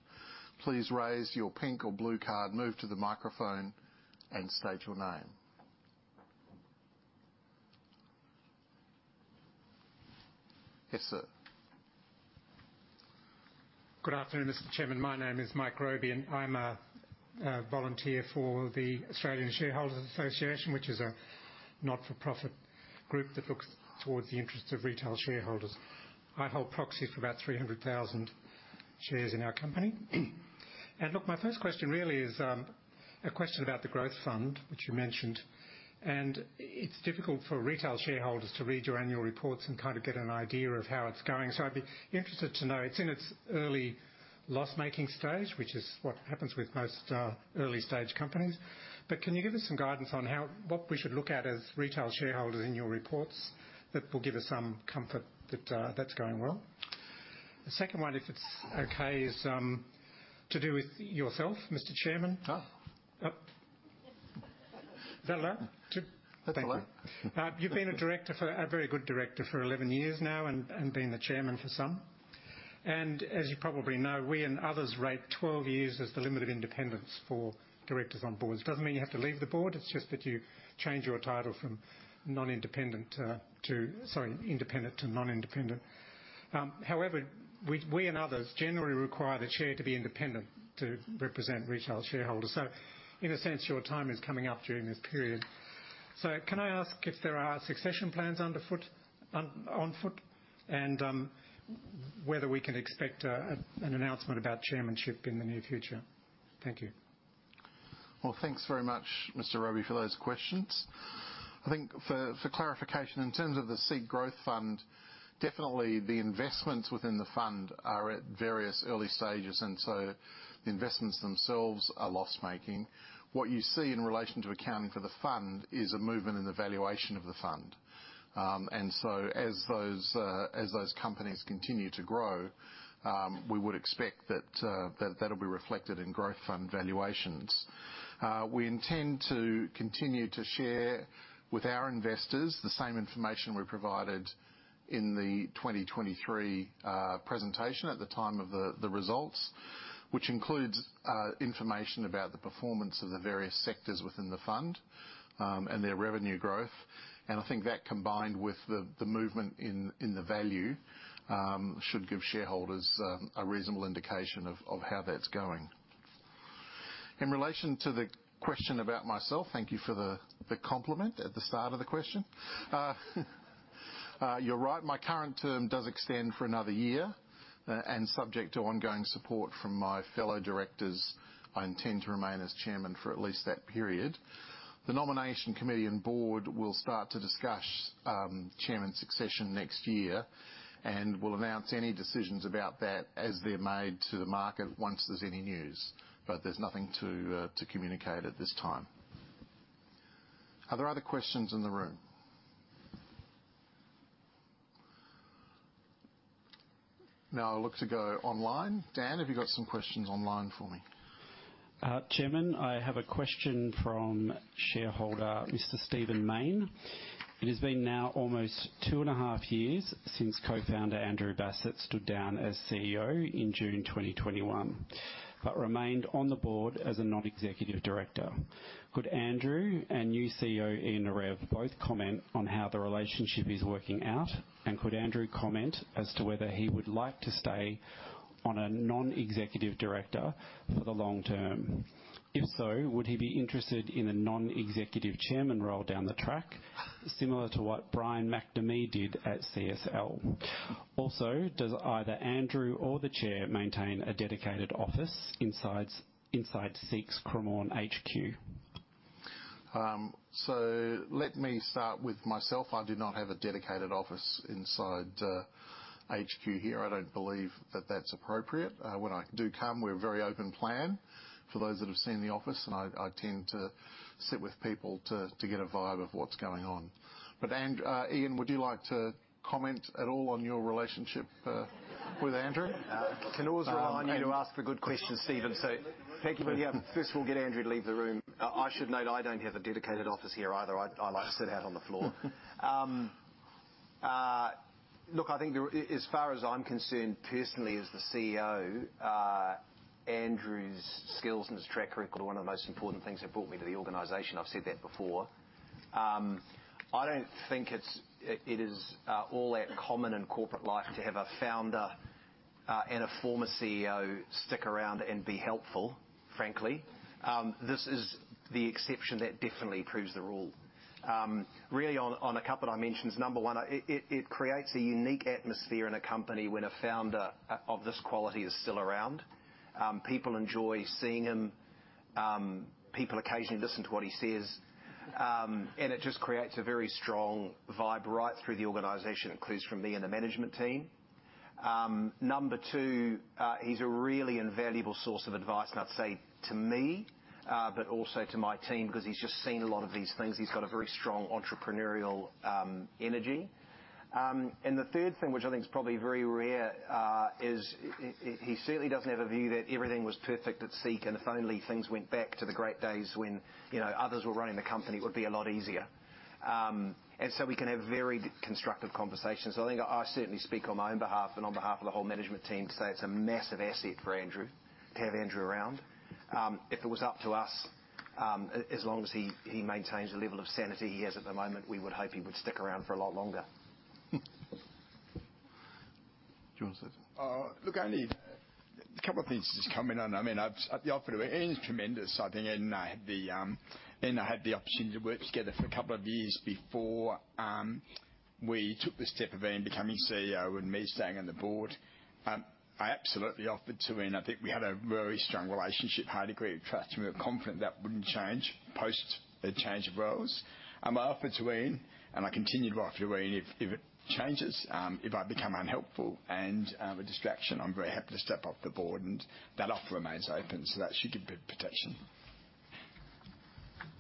please raise your pink or blue card, move to the microphone and state your name. Yes, sir. Good afternoon, Mr. Chairman. My name is Mike Robey, and I'm a volunteer for the Australian Shareholders' Association, which is a not-for-profit group that looks towards the interests of retail shareholders. I hold proxy for about 300,000 shares in our company. And look, my first question really is a question about the growth fund, which you mentioned, and it's difficult for retail shareholders to read your annual reports and kind of get an idea of how it's going. So I'd be interested to know, it's in its early loss-making stage, which is what happens with most early-stage companies. But can you give us some guidance on how what we should look at as retail shareholders in your reports that will give us some comfort that that's going well? The second one, if it's okay, is to do with yourself, Mr. Chairman. Ah. Yep. Is that allowed to- That's allowed. Thank you. You've been a director for, a very good director, for 11 years now and, and been the chairman for some. And as you probably know, we and others rate 12 years as the limit of independence for directors on boards. Doesn't mean you have to leave the board, it's just that you change your title from non-independent to, sorry, independent to non-independent. However, we, we and others generally require the chair to be independent to represent retail shareholders. So in a sense, your time is coming up during this period. So can I ask if there are succession plans on foot? And, whether we can expect a, an announcement about chairmanship in the near future. Thank you. Well, thanks very much, Mr. Robey, for those questions. I think for, for clarification, in terms of the SEEK Growth Fund, definitely the investments within the fund are at various early stages, and so the investments themselves are loss-making. What you see in relation to accounting for the fund is a movement in the valuation of the fund. And so as those, as those companies continue to grow, we would expect that, that, that'll be reflected in growth fund valuations. We intend to continue to share with our investors the same information we provided in the 2023, presentation at the time of the, the results, which includes, information about the performance of the various sectors within the fund, and their revenue growth. And I think that combined with the movement in the value should give shareholders a reasonable indication of how that's going. In relation to the question about myself, thank you for the compliment at the start of the question. You're right, my current term does extend for another year. And subject to ongoing support from my fellow directors, I intend to remain as Chairman for at least that period. The nomination committee and board will start to discuss chairman succession next year, and we'll announce any decisions about that as they're made to the market once there's any news. But there's nothing to communicate at this time. Are there other questions in the room? Now, I'll look to go online. Dan, have you got some questions online for me? Chairman, I have a question from shareholder Mr. Stephen Mayne. It has been now almost 2.5 years since co-founder Andrew Bassat stood down as CEO in June 2021, but remained on the board as a non-executive director. Could Andrew and new CEO, Ian Narev, both comment on how the relationship is working out? And could Andrew comment as to whether he would like to stay on a non-executive director for the long term? If so, would he be interested in a non-executive chairman role down the track, similar to what Brian McNamee did at CSL? Also, does either Andrew or the chair maintain a dedicated office inside SEEK's Cremorne HQ? So let me start with myself. I do not have a dedicated office inside HQ here. I don't believe that that's appropriate. When I do come, we're a very open plan for those that have seen the office, and I tend to sit with people to get a vibe of what's going on. But Ian, would you like to comment at all on your relationship with Andrew? Can I always rely on you to ask the good questions, Stephen. So, thank you. But, yeah, first we'll get Andrew to leave the room. I should note, I don't have a dedicated office here either. I like to sit out on the floor. Look, I think as far as I'm concerned, personally, as the CEO, Andrew's skills and his track record are one of the most important things that brought me to the organization. I've said that before. I don't think it is all that common in corporate life to have a founder and a former CEO stick around and be helpful, frankly. This is the exception that definitely proves the rule. Really, on a couple dimensions, number one, it creates a unique atmosphere in a company when a founder of this quality is still around. People enjoy seeing him. People occasionally listen to what he says. And it just creates a very strong vibe right through the organization, includes from me and the management team. Number two, he's a really invaluable source of advice, and I'd say to me, but also to my team, because he's just seen a lot of these things. He's got a very strong entrepreneurial energy. And the third thing, which I think is probably very rare, is he certainly doesn't have a view that everything was perfect at SEEK, and if only things went back to the great days when, you know, others were running the company, it would be a lot easier. And so we can have very constructive conversations. So I think I certainly speak on my own behalf and on behalf of the whole management team to say it's a massive asset for Andrew, to have Andrew around. If it was up to us, as long as he maintains the level of sanity he has at the moment, we would hope he would stick around for a lot longer. Do you want to say something? Look, only a couple of things just come in, and, I mean, Ian's tremendous, I think. Ian and I had the opportunity to work together for a couple of years before we took the step of Ian becoming CEO and me staying on the board. I absolutely offered to Ian. I think we had a very strong relationship, high degree of trust, and we were confident that wouldn't change post the change of roles. I offered to Ian, and I continued to offer to Ian, if it changes, if I become unhelpful and a distraction, I'm very happy to step off the board, and that offer remains open, so that should give good protection.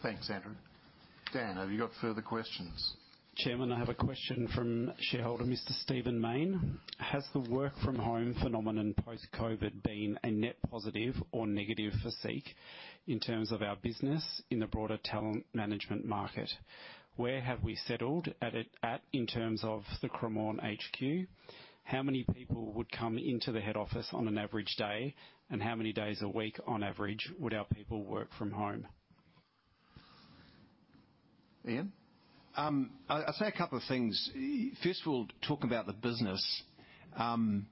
Thanks, Andrew. Dan, have you got further questions? Chairman, I have a question from shareholder Mr. Stephen Mayne. Has the work from home phenomenon post-COVID been a net positive or negative for SEEK in terms of our business in the broader talent management market? Where have we settled at it, at in terms of the Cremorne HQ? How many people would come into the head office on an average day? And how many days a week on average would our people work from home? Ian? I'd say a couple of things. First of all, talk about the business, and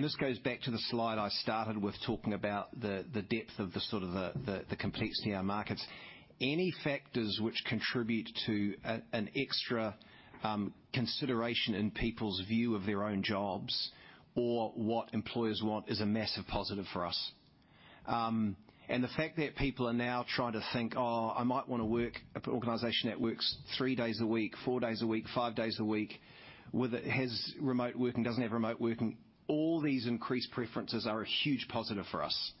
this goes back to the slide I started with, talking about the depth of the sort of complexity of our markets. Any factors which contribute to an extra consideration in people's view of their own jobs or what employers want is a massive positive for us. And the fact that people are now trying to think, "Oh, I might want to work at an organization that works three days a week, four days a week, five days a week, whether it has remote working, doesn't have remote working," all these increased preferences are a huge positive for us.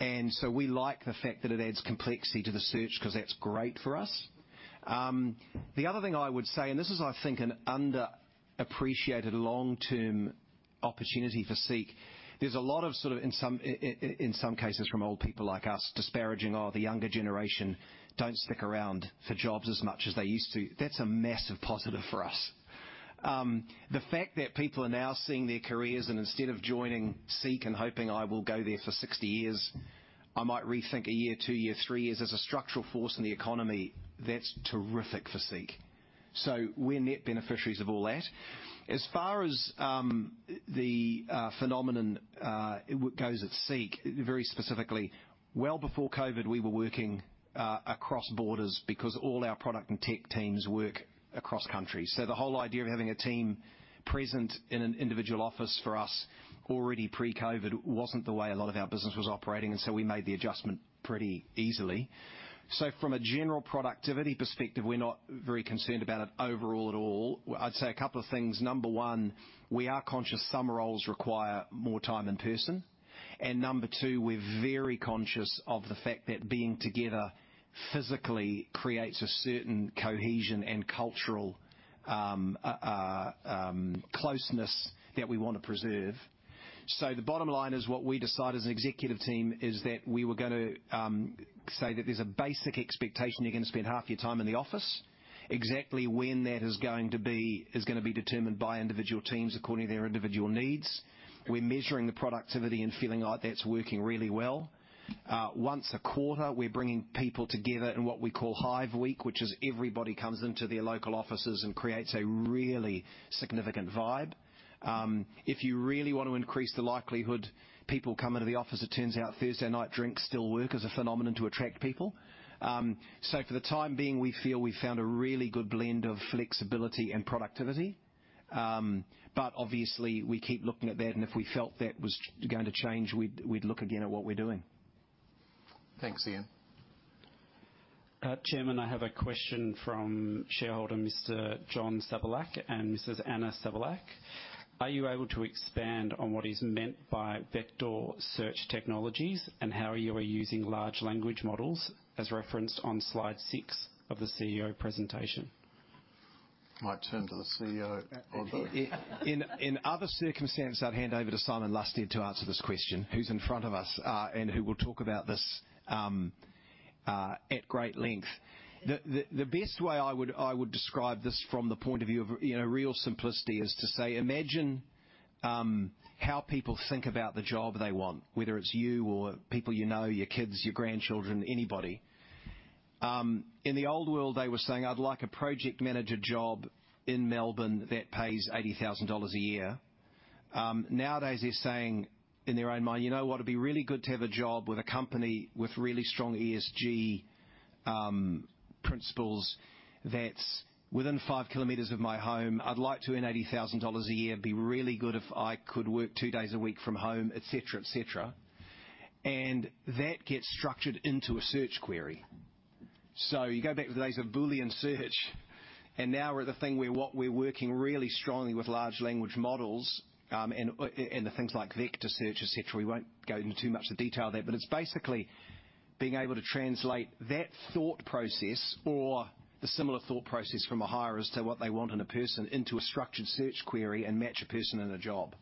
And so we like the fact that it adds complexity to the search, 'cause that's great for us. The other thing I would say, and this is, I think, an underappreciated long-term opportunity for SEEK. There's a lot of sort of, in some cases, from old people like us, disparaging, "Oh, the younger generation don't stick around for jobs as much as they used to." That's a massive positive for us. The fact that people are now seeing their careers, and instead of joining SEEK and hoping I will go there for 60 years, I might rethink a year, two years, three years as a structural force in the economy. That's terrific for SEEK. So we're net beneficiaries of all that. As far as the phenomenon goes at SEEK, very specifically, well before COVID, we were working across borders because all our product and tech teams work across countries. So the whole idea of having a team present in an individual office for us already pre-COVID wasn't the way a lot of our business was operating, and so we made the adjustment pretty easily. So from a general productivity perspective, we're not very concerned about it overall at all. I'd say a couple of things. Number one, we are conscious some roles require more time in person. And number two, we're very conscious of the fact that being together physically creates a certain cohesion and cultural closeness that we want to preserve. So the bottom line is, what we decide as an executive team is that we were going to say that there's a basic expectation you're going to spend half your time in the office. Exactly when that is going to be is going to be determined by individual teams according to their individual needs. We're measuring the productivity and feeling like that's working really well. Once a quarter, we're bringing people together in what we call Hive Week, which is everybody comes into their local offices and creates a really significant vibe. If you really want to increase the likelihood people come into the office, it turns out Thursday night drinks still work as a phenomenon to attract people. So for the time being, we feel we've found a really good blend of flexibility and productivity. But obviously, we keep looking at that, and if we felt that was going to change, we'd look again at what we're doing. Thanks, Ian. Chairman, I have a question from shareholder Mr. John Sabalack and Mrs. Anna Sabalack. Are you able to expand on what is meant by vector search technologies and how you are using large language models, as referenced on slide six of the CEO presentation? I turn to the CEO. In other circumstances, I'd hand over to Simon Lusted to answer this question, who's in front of us, and who will talk about this at great length. The best way I would describe this from the point of view of, you know, real simplicity, is to say: imagine how people think about the job they want, whether it's you or people you know, your kids, your grandchildren, anybody. In the old world, they were saying, "I'd like a project manager job in Melbourne that pays 80,000 dollars a year." Nowadays, they're saying, in their own mind, "You know what? It'd be really good to have a job with a company with really strong ESG principles, that's within five kilometers of my home. I'd like to earn 80,000 dollars a year. It'd be really good if I could work two days a week from home," et cetera, et cetera. That gets structured into a search query. You go back to the days of Boolean search, and now we're at the thing where what we're working really strongly with large language models, and the things like vector search, et cetera. We won't go into too much the detail there, but it's basically being able to translate that thought process, or the similar thought process from a hirer as to what they want in a person, into a structured search query and match a person in a job.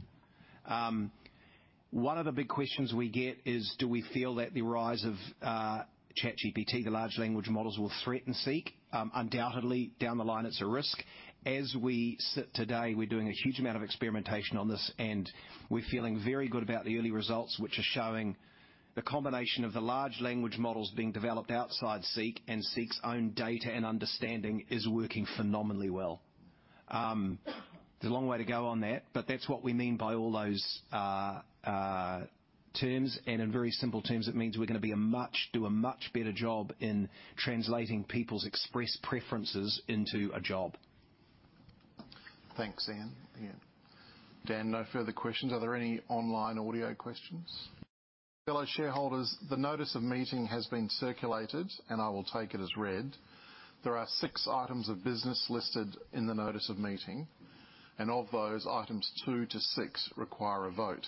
One of the big questions we get is, do we feel that the rise of ChatGPT, the large language models, will threaten SEEK? Undoubtedly, down the line, it's a risk. As we sit today, we're doing a huge amount of experimentation on this, and we're feeling very good about the early results, which are showing the combination of the large language models being developed outside SEEK and SEEK's own data and understanding is working phenomenally well. There's a long way to go on that, but that's what we mean by all those terms. In very simple terms, it means we're going to do a much better job in translating people's express preferences into a job. Thanks, Ian. Yeah. Dan, no further questions. Are there any online audio questions? Fellow shareholders, the notice of meeting has been circulated, and I will take it as read. There are six items of business listed in the notice of meeting, and of those, items two to six require a vote.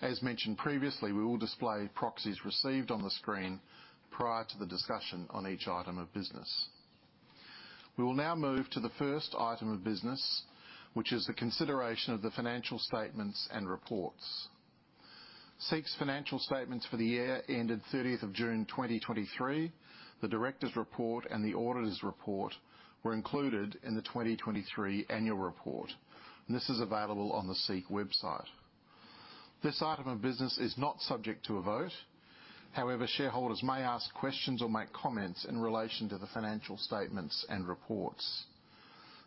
As mentioned previously, we will display proxies received on the screen prior to the discussion on each item of business. We will now move to the first item of business, which is the consideration of the financial statements and reports. SEEK's financial statements for the year ended 30th of June, 2023, the directors' report, and the auditors' report were included in the 2023 annual report. This is available on the SEEK website. This item of business is not subject to a vote. However, shareholders may ask questions or make comments in relation to the financial statements and reports.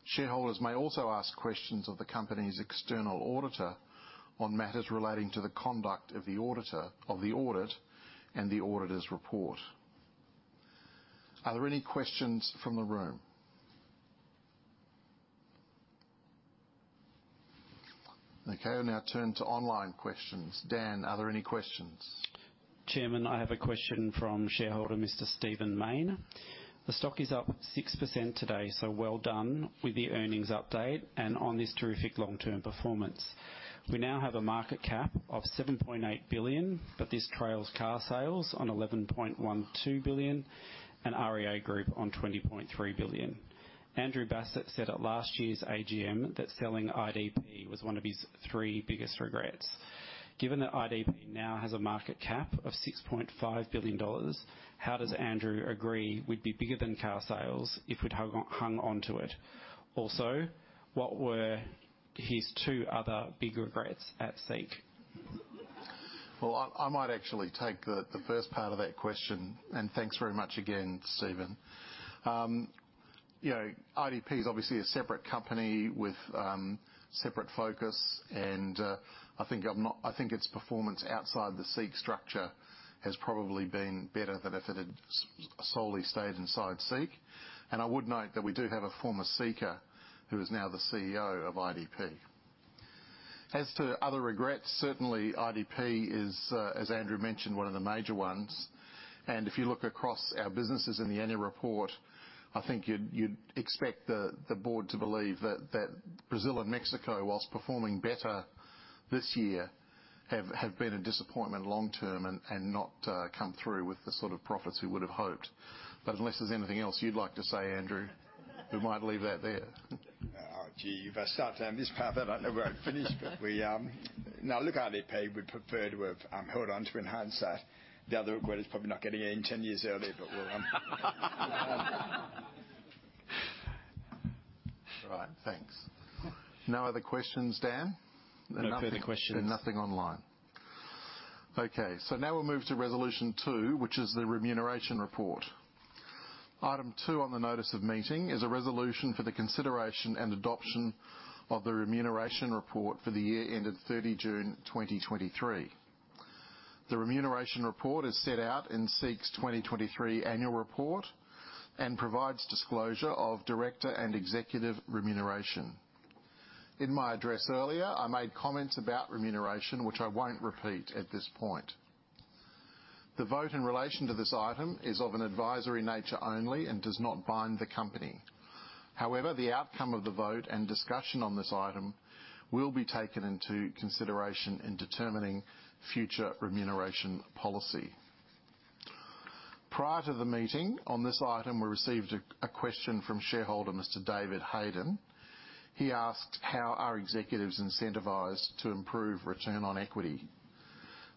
Shareholders may also ask questions of the company's external auditor on matters relating to the conduct of the auditor, of the audit, and the auditor's report. Are there any questions from the room? Okay, I'll now turn to online questions. Dan, are there any questions? Chairman, I have a question from shareholder Mr. Stephen Mayne. The stock is up 6% today, so well done with the earnings update and on this terrific long-term performance. We now have a market cap of 7.8 billion, but this trails carsales on 11.12 billion and REA Group on 20.3 billion. Andrew Bassat said at last year's AGM that selling IDP was one of his three biggest regrets. Given that IDP now has a market cap of 6.5 billion dollars, how does Andrew agree we'd be bigger than carsales if we'd hung onto it? Also, what were his two other big regrets at SEEK? Well, I might actually take the first part of that question, and thanks very much again, Stephen. You know, IDP is obviously a separate company with separate focus, and I think its performance outside the SEEK structure has probably been better than if it had solely stayed inside SEEK. And I would note that we do have a former SEEKer who is now the CEO of IDP. As to other regrets, certainly IDP is, as Andrew mentioned, one of the major ones. And if you look across our businesses in the annual report, I think you'd expect the board to believe that Brazil and Mexico, while performing better this year, have been a disappointment long term and not come through with the sort of profits we would have hoped. But unless there's anything else you'd like to say, Andrew, we might leave that there. Oh, gee, if I start down this path, I don't know where I'd finish. But we... Now, look, IDP, we'd prefer to have held on to enhance that. The other word is probably not getting in ten years earlier, but we'll, All right, thanks. No other questions, Dan? No further questions. Nothing online. Okay, so now we'll move to Resolution 2, which is the Remuneration Report. Item two on the notice of meeting is a resolution for the consideration and adoption of the remuneration report for the year ended 30 June 2023. The remuneration report is set out in SEEK's 2023 annual report and provides disclosure of director and executive remuneration. In my address earlier, I made comments about remuneration, which I won't repeat at this point. The vote in relation to this item is of an advisory nature only and does not bind the company. However, the outcome of the vote and discussion on this item will be taken into consideration in determining future remuneration policy. Prior to the meeting, on this item, we received a question from shareholder Mr. David Hayden. He asked: "How are executives incentivized to improve Return on Equity?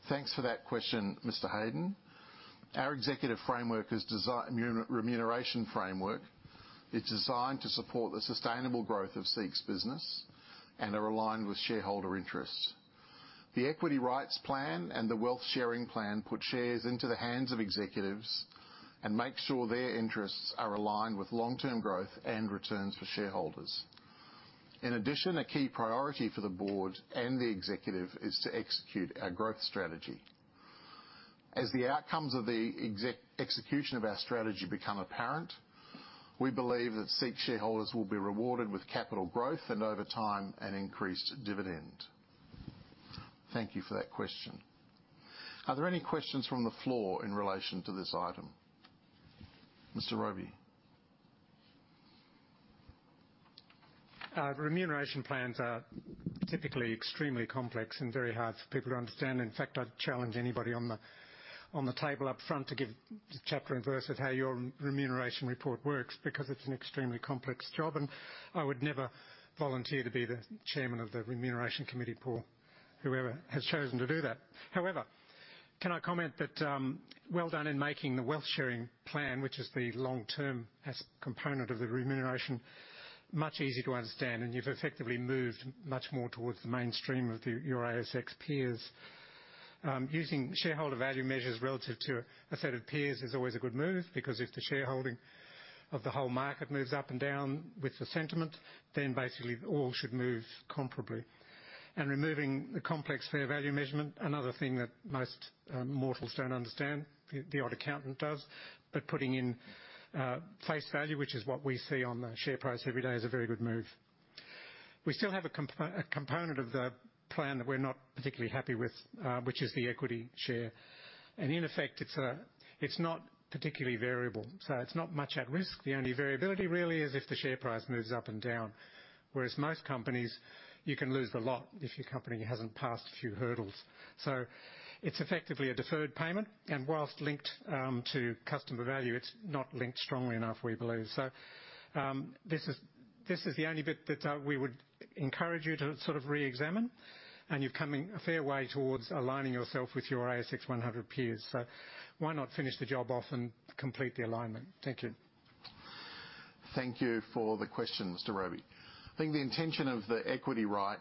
Thanks for that question, Mr. Hayden. Our remuneration framework is designed to support the sustainable growth of SEEK's business and are aligned with shareholder interests. The equity rights plan and the wealth sharing plan put shares into the hands of executives and make sure their interests are aligned with long-term growth and returns for shareholders. In addition, a key priority for the board and the executive is to execute our growth strategy. As the outcomes of the execution of our strategy become apparent, we believe that SEEK shareholders will be rewarded with capital growth and, over time, an increased dividend. Thank you for that question. Are there any questions from the floor in relation to this item? Mr. Robey. Remuneration plans are typically extremely complex and very hard for people to understand. In fact, I'd challenge anybody on the table up front to give chapter and verse at how your remuneration report works, because it's an extremely complex job, and I would never volunteer to be the chairman of the remuneration committee, Paul, whoever has chosen to do that. However, can I comment that, well done in making the Wealth Sharing Plan, which is the long-term component of the remuneration, much easier to understand, and you've effectively moved much more towards the mainstream of the, your ASX peers. Using shareholder value measures relative to a set of peers is always a good move, because if the shareholding of the whole market moves up and down with the sentiment, then basically all should move comparably. Removing the complex fair value measurement, another thing that most mortals don't understand, the odd accountant does, but putting in face value, which is what we see on the share price every day, is a very good move. We still have a component of the plan that we're not particularly happy with, which is the equity share, and in effect, it's not particularly variable, so it's not much at risk. The only variability really is if the share price moves up and down. Whereas most companies, you can lose the lot if your company hasn't passed a few hurdles. So it's effectively a deferred payment, and while linked to customer value, it's not linked strongly enough, we believe. So, this is the only bit that we would encourage you to sort of re-examine, and you're coming a fair way towards aligning yourself with your ASX 100 peers. So why not finish the job off and complete the alignment? Thank you. Thank you for the question, Mr. Robey. I think the intention of the equity right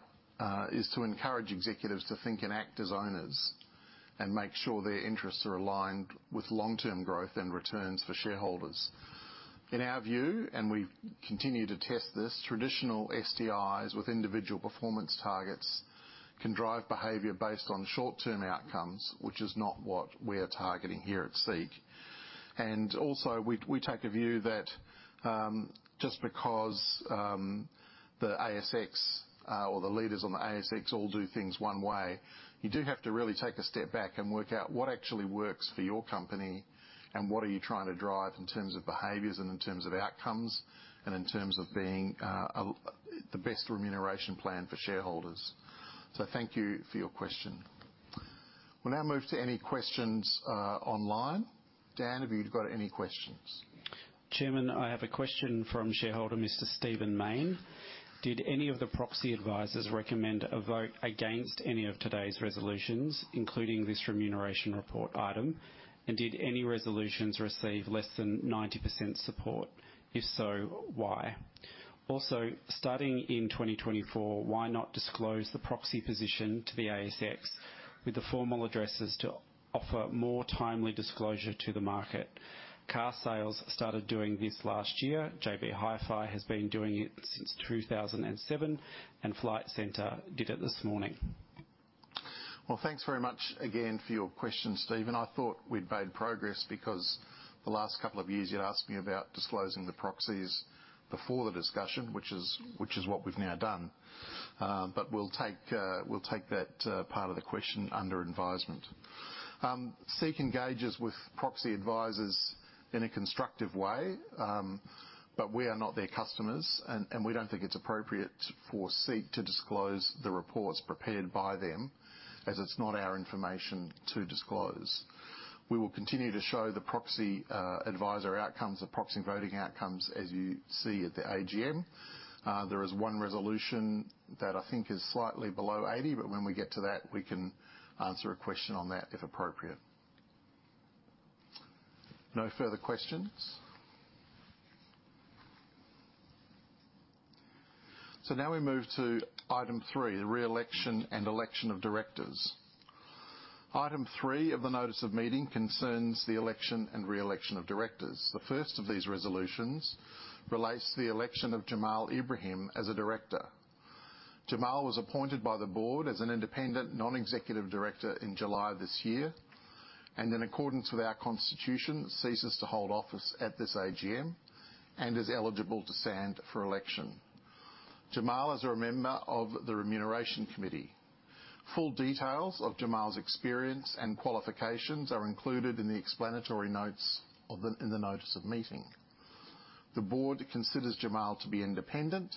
is to encourage executives to think and act as owners and make sure their interests are aligned with long-term growth and returns for shareholders. In our view, and we continue to test this, traditional SDIs with individual performance targets can drive behavior based on short-term outcomes, which is not what we are targeting here at SEEK. Also, we take a view that just because the ASX or the leaders on the ASX all do things one way, you do have to really take a step back and work out what actually works for your company and what are you trying to drive in terms of behaviors and in terms of outcomes, and in terms of being the best remuneration plan for shareholders. Thank you for your question. We'll now move to any questions, online. Dan, have you got any questions? Chairman, I have a question from shareholder Mr. Stephen Mayne. Did any of the proxy advisors recommend a vote against any of today's resolutions, including this remuneration report item? And did any resolutions receive less than 90% support? If so, why? Also, starting in 2024, why not disclose the proxy position to the ASX with the formal addresses to offer more timely disclosure to the market? CarSales started doing this last year. JB Hi-Fi has been doing it since 2007, and Flight Centre did it this morning. Well, thanks very much again for your question, Stephen. I thought we'd made progress because the last couple of years you'd asked me about disclosing the proxies before the discussion, which is what we've now done. But we'll take that part of the question under advisement. SEEK engages with proxy advisors in a constructive way, but we are not their customers, and we don't think it's appropriate for SEEK to disclose the reports prepared by them, as it's not our information to disclose. We will continue to show the proxy advisor outcomes, the proxy voting outcomes, as you see at the AGM. There is one resolution that I think is slightly below 80, but when we get to that, we can answer a question on that, if appropriate. No further questions? So now we move to item three, the re-election and election of directors. Item three of the notice of meeting concerns the election and re-election of directors. The first of these resolutions relates to the election of Jamaludin Ibrahim as a director. Jamaludin was appointed by the board as an independent non-executive director in July this year, and in accordance with our constitution, ceases to hold office at this AGM and is eligible to stand for election. Jamaludin is a member of the Remuneration Committee. Full details of Jamaludin's experience and qualifications are included in the explanatory notes in the notice of meeting. The board considers Jamaludin to be independent,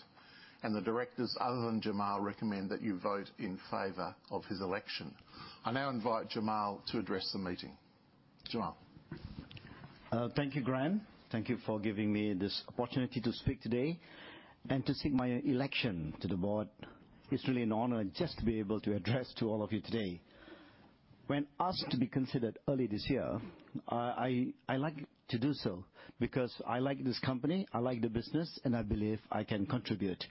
and the directors, other than Jamaludin, recommend that you vote in favor of his election. I now invite Jamaludin to address the meeting. Jamaludin? Thank you, Graham. Thank you for giving me this opportunity to speak today and to seek my election to the board. It's really an honor just to be able to address to all of you today. When asked to be considered early this year, I like to do so because I like this company, I like the business, and I believe I can contribute.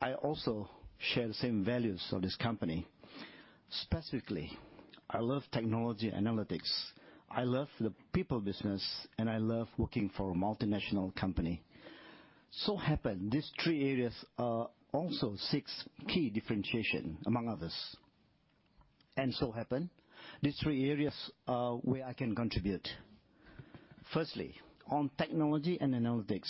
I also share the same values of this company. Specifically, I love technology analytics, I love the people business, and I love working for a multinational company. So happen, these three areas are also SEEK's key differentiation, among others, and so happen, these three areas are where I can contribute. Firstly, on technology and analytics.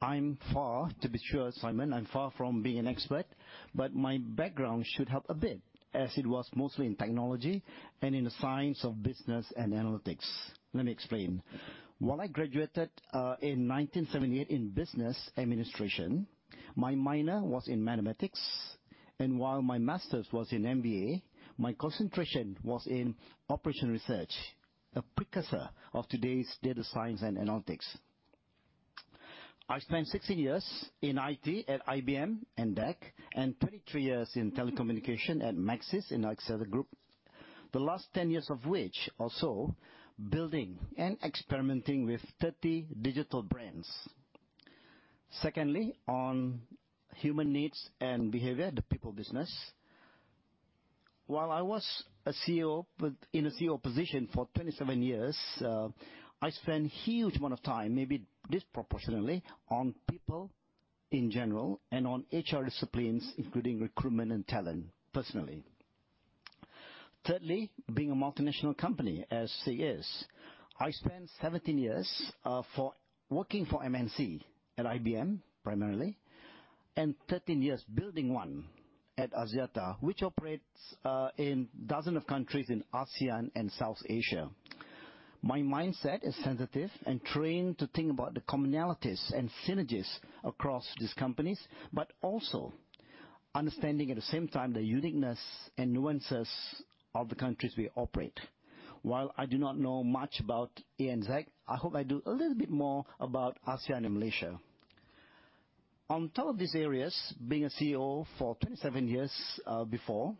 I'm far, to be sure, Simon, I'm far from being an expert, but my background should help a bit as it was mostly in technology and in the science of business and analytics. Let me explain. While I graduated in 1978 in business administration, my minor was in mathematics, and while my master's was in MBA, my concentration was in operational research, a precursor of today's data science and analytics. I spent 16 years in IT at IBM and DEC, and 23 years in telecommunication at Maxis in Axiata Group. The last 10 years of which also building and experimenting with 30 digital brands. Secondly, on human needs and behavior, the people business. While I was a CEO, with, in a CEO position for 27 years, I spent huge amount of time, maybe disproportionately, on people in general and on HR disciplines, including recruitment and talent, personally. Thirdly, being a multinational company, as SEEK is, I spent 17 years working for MNC at IBM, primarily, and 13 years building one at Axiata, which operates in dozens of countries in ASEAN and South Asia. My mindset is sensitive and trained to think about the commonalities and synergies across these companies, but also understanding, at the same time, the uniqueness and nuances of the countries we operate. While I do not know much about ANZ, I hope I do a little bit more about ASEAN and Malaysia. On top of these areas, being a CEO for 27 years before,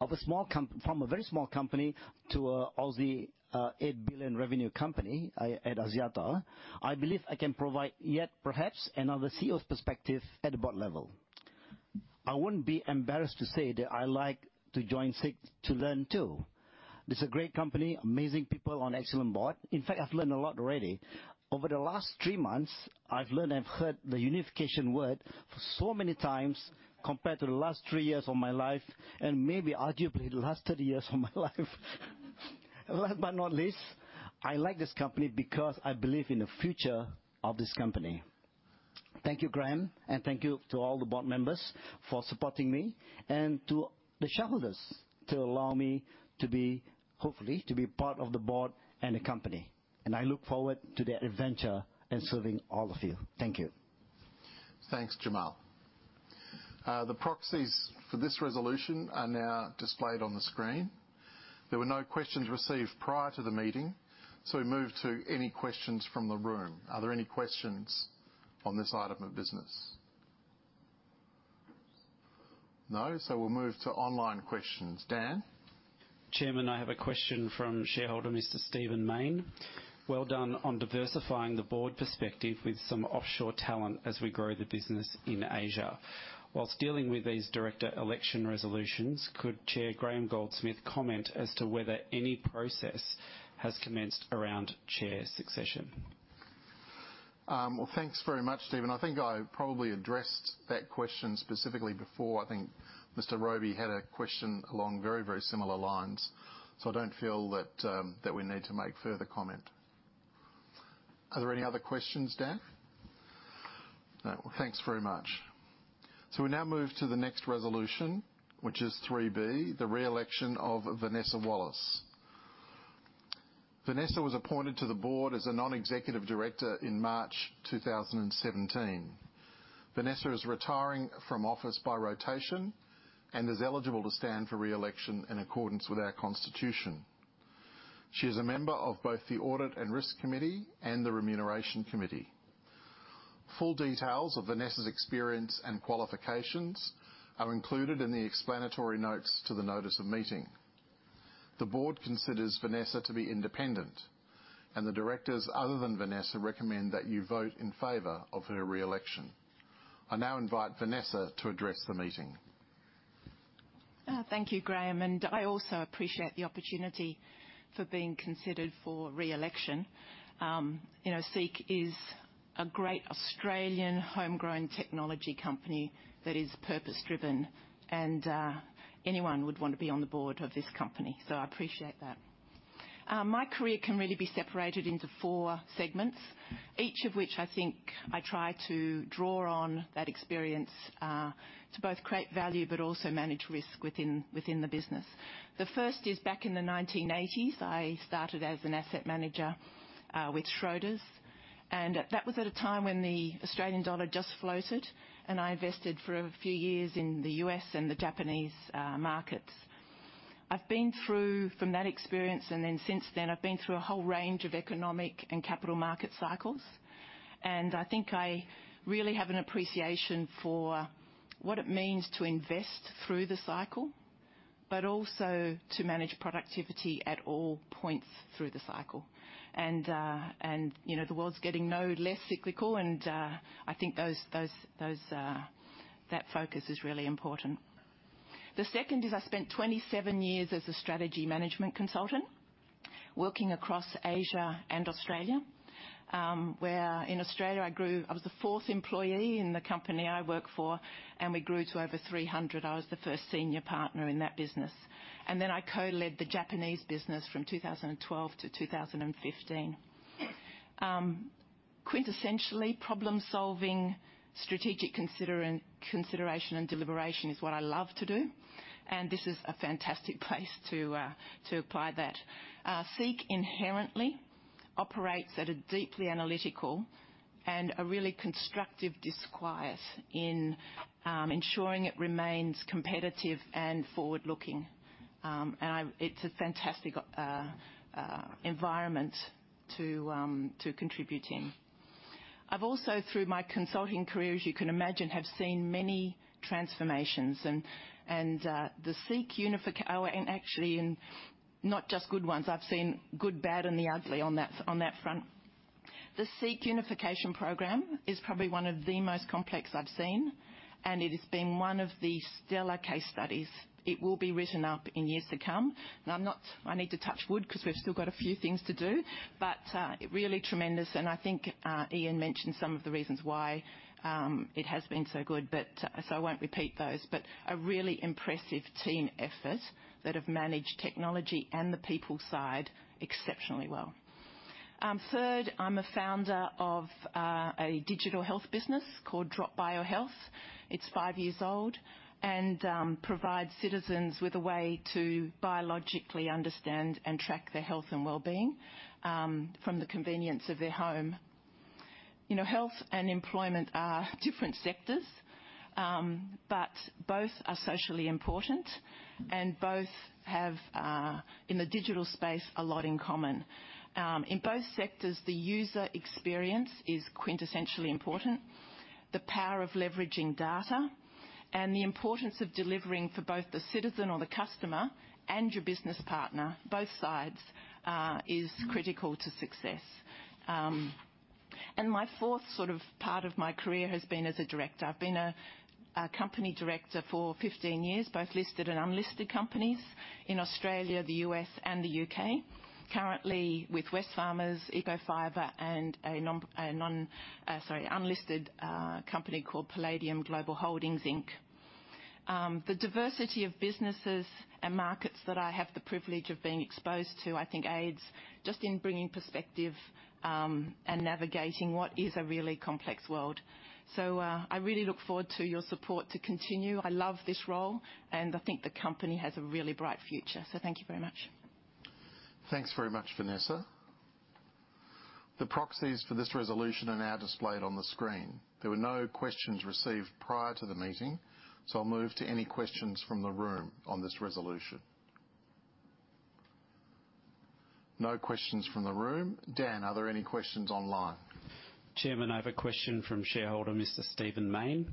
of a small from a very small company to an Asian 8 billion revenue company, at Axiata, I believe I can provide yet perhaps another CEO's perspective at the board level. I wouldn't be embarrassed to say that I like to join SEEK to learn, too. This is a great company, amazing people on an excellent board. In fact, I've learned a lot already. Over the last three months, I've learned and heard the unification word so many times compared to the last three years of my life, and maybe arguably, the last 30 years of my life. Last but not least, I like this company because I believe in the future of this company. Thank you, Graham, and thank you to all the board members for supporting me and to the shareholders to allow me to be, hopefully, to be part of the board and the company. And I look forward to that adventure and serving all of you. Thank you. Thanks, Jamal. The proxies for this resolution are now displayed on the screen. There were no questions received prior to the meeting, so we move to any questions from the room. Are there any questions on this item of business? No, so we'll move to online questions. Dan? Chairman, I have a question from shareholder Mr. Stephen Mayne. "Well done on diversifying the board perspective with some offshore talent as we grow the business in Asia. While dealing with these director election resolutions, could Chair Graham Goldsmith comment as to whether any process has commenced around chair succession? Well, thanks very much, Stephen. I think I probably addressed that question specifically before. I think Mr. Robey had a question along very, very similar lines, so I don't feel that, that we need to make further comment. Are there any other questions, Dan? No. Well, thanks very much. So we now move to the next resolution, which is 3B, the re-election of Vanessa Wallace. Vanessa was appointed to the board as a non-executive director in March 2017. Vanessa is retiring from office by rotation and is eligible to stand for re-election in accordance with our constitution. She is a member of both the Audit and Risk Committee and the Remuneration Committee. Full details of Vanessa's experience and qualifications are included in the explanatory notes to the notice of meeting. The board considers Vanessa to be independent, and the directors, other than Vanessa, recommend that you vote in favor of her re-election. I now invite Vanessa to address the meeting. Thank you, Graham, and I also appreciate the opportunity for being considered for re-election. You know, SEEK is a great Australian homegrown technology company that is purpose-driven, and anyone would want to be on the board of this company, so I appreciate that. My career can really be separated into four segments, each of which I think I try to draw on that experience to both create value but also manage risk within the business. The first is back in the 1980s. I started as an asset manager with Schroders, and that was at a time when the Australian dollar just floated, and I invested for a few years in the U.S. and the Japanese markets. I've been through, from that experience, and then since then, I've been through a whole range of economic and capital market cycles, and I think I really have an appreciation for what it means to invest through the cycle, but also to manage productivity at all points through the cycle. And, you know, the world's getting no less cyclical, and I think those that focus is really important. The second is I spent 27 years as a strategy management consultant, working across Asia and Australia. Where in Australia, I was the fourth employee in the company I worked for, and we grew to over 300. I was the first senior partner in that business, and then I co-led the Japanese business from 2012 to 2015. Quintessentially, problem-solving, strategic consideration, and deliberation is what I love to do, and this is a fantastic place to apply that. SEEK inherently operates at a deeply analytical and a really constructive disquiet in ensuring it remains competitive and forward-looking. It's a fantastic environment to contribute in. I've also, through my consulting career, as you can imagine, have seen many transformations, and actually, not just good ones. I've seen good, bad, and the ugly on that front. The SEEK Unification program is probably one of the most complex I've seen, and it has been one of the stellar case studies. It will be written up in years to come. Now, I need to touch wood because we've still got a few things to do, but really tremendous, and I think Ian mentioned some of the reasons why it has been so good, but so I won't repeat those. But a really impressive team effort that have managed technology and the people side exceptionally well. Third, I'm a founder of a digital health business called Drop Bio Health. It's five years old and provides citizens with a way to biologically understand and track their health and well-being from the convenience of their home. You know, health and employment are different sectors, but both are socially important and both have in the digital space a lot in common. In both sectors, the user experience is quintessentially important. The power of leveraging data and the importance of delivering for both the citizen or the customer and your business partner, both sides, is critical to success. And my fourth sort of part of my career has been as a director. I've been a company director for 15 years, both listed and unlisted companies in Australia, the U.S., and the U.K. Currently with Wesfarmers, Ecofibre, and a non, sorry, unlisted company called Palladium Global Holdings, Inc. The diversity of businesses and markets that I have the privilege of being exposed to, I think, aids just in bringing perspective, and navigating what is a really complex world. So, I really look forward to your support to continue. I love this role, and I think the company has a really bright future. So thank you very much. Thanks very much, Vanessa. The proxies for this resolution are now displayed on the screen. There were no questions received prior to the meeting, so I'll move to any questions from the room on this resolution. No questions from the room. Dan, are there any questions online? Chairman, I have a question from shareholder Mr. Stephen Mayne.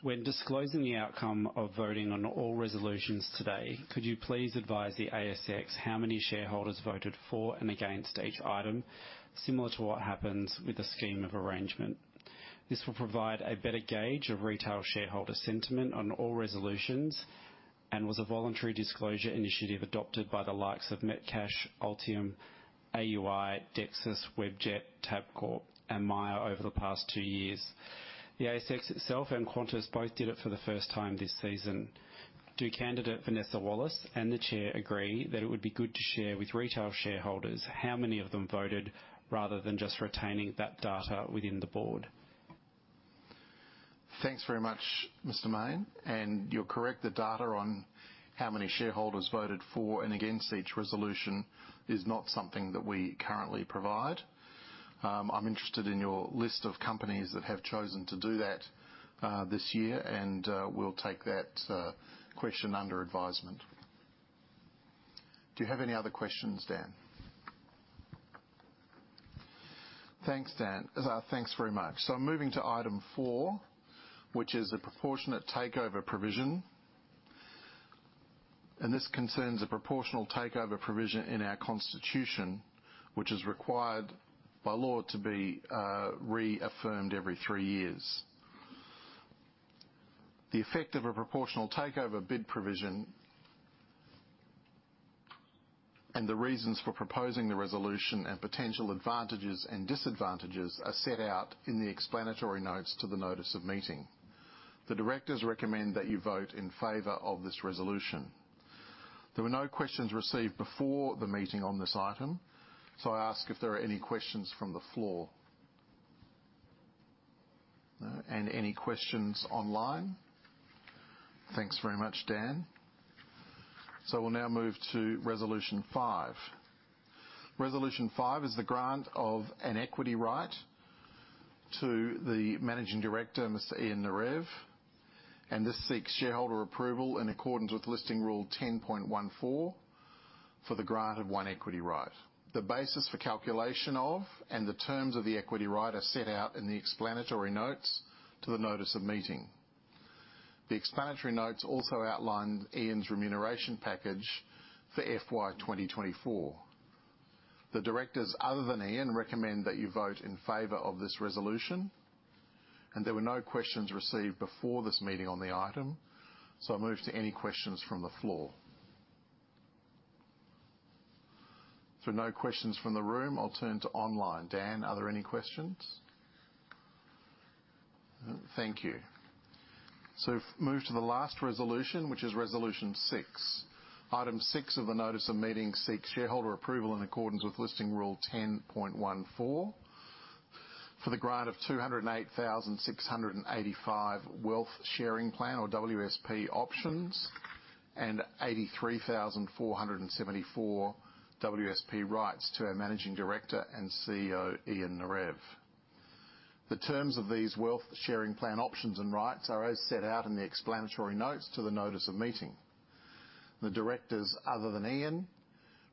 "When disclosing the outcome of voting on all resolutions today, could you please advise the ASX how many shareholders voted for and against each item, similar to what happens with the scheme of arrangement? This will provide a better gauge of retail shareholder sentiment on all resolutions and was a voluntary disclosure initiative adopted by the likes of Metcash, Altium, AUI, Dexus, Webjet, Tabcorp."... and Myer over the past two years. The ASX itself and Qantas both did it for the first time this season. Do candidate Vanessa Wallace and the chair agree that it would be good to share with retail shareholders how many of them voted, rather than just retaining that data within the board? Thanks very much, Mr. Mayne, and you're correct. The data on how many shareholders voted for and against each resolution is not something that we currently provide. I'm interested in your list of companies that have chosen to do that, this year, and, we'll take that, question under advisement. Do you have any other questions, Dan? Thanks, Dan. Thanks very much. So moving to item four, which is the proportionate takeover provision, and this concerns a proportional takeover provision in our constitution, which is required by law to be, reaffirmed every three years. The effect of a proportional takeover bid provision and the reasons for proposing the resolution and potential advantages and disadvantages are set out in the explanatory notes to the notice of meeting. The directors recommend that you vote in favor of this resolution. There were no questions received before the meeting on this item, so I ask if there are any questions from the floor. No. And any questions online? Thanks very much, Dan. So we'll now move to Resolution 5. Resolution 5 is the grant of an equity right to the Managing Director, Mr. Ian Narev, and this seeks shareholder approval in accordance with Listing Rule 10.14 for the grant of one equity right. The basis for calculation of and the terms of the equity right are set out in the explanatory notes to the notice of meeting. The explanatory notes also outline Ian's remuneration package for FY 2024. The directors, other than Ian, recommend that you vote in favor of this resolution, and there were no questions received before this meeting on the item, so I move to any questions from the floor. If there are no questions from the room, I'll turn to online. Dan, are there any questions? Thank you. Move to the last resolution, which is Resolution 6. Item six of the notice of meeting seeks shareholder approval in accordance with Listing Rule 10.14 for the grant of 208,685 Wealth Sharing Plan, or WSP, options and 83,474 WSP rights to our Managing Director and CEO, Ian Narev. The terms of these Wealth Sharing Plan options and rights are as set out in the explanatory notes to the notice of meeting. The directors, other than Ian,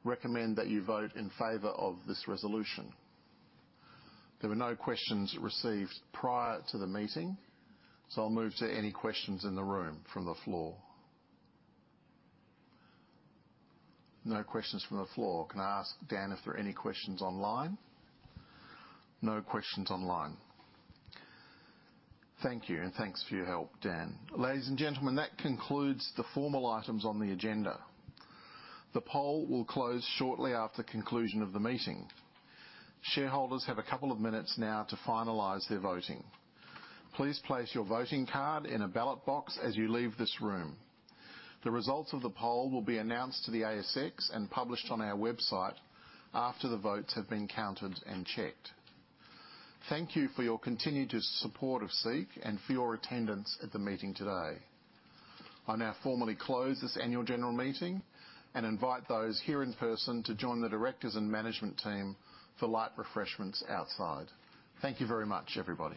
recommend that you vote in favor of this resolution. There were no questions received prior to the meeting, so I'll move to any questions in the room from the floor. No questions from the floor. Can I ask Dan if there are any questions online? No questions online. Thank you, and thanks for your help, Dan. Ladies and gentlemen, that concludes the formal items on the agenda. The poll will close shortly after conclusion of the meeting. Shareholders have a couple of minutes now to finalize their voting. Please place your voting card in a ballot box as you leave this room. The results of the poll will be announced to the ASX and published on our website after the votes have been counted and checked. Thank you for your continued support of SEEK and for your attendance at the meeting today. I now formally close this annual general meeting and invite those here in person to join the directors and management team for light refreshments outside. Thank you very much, everybody!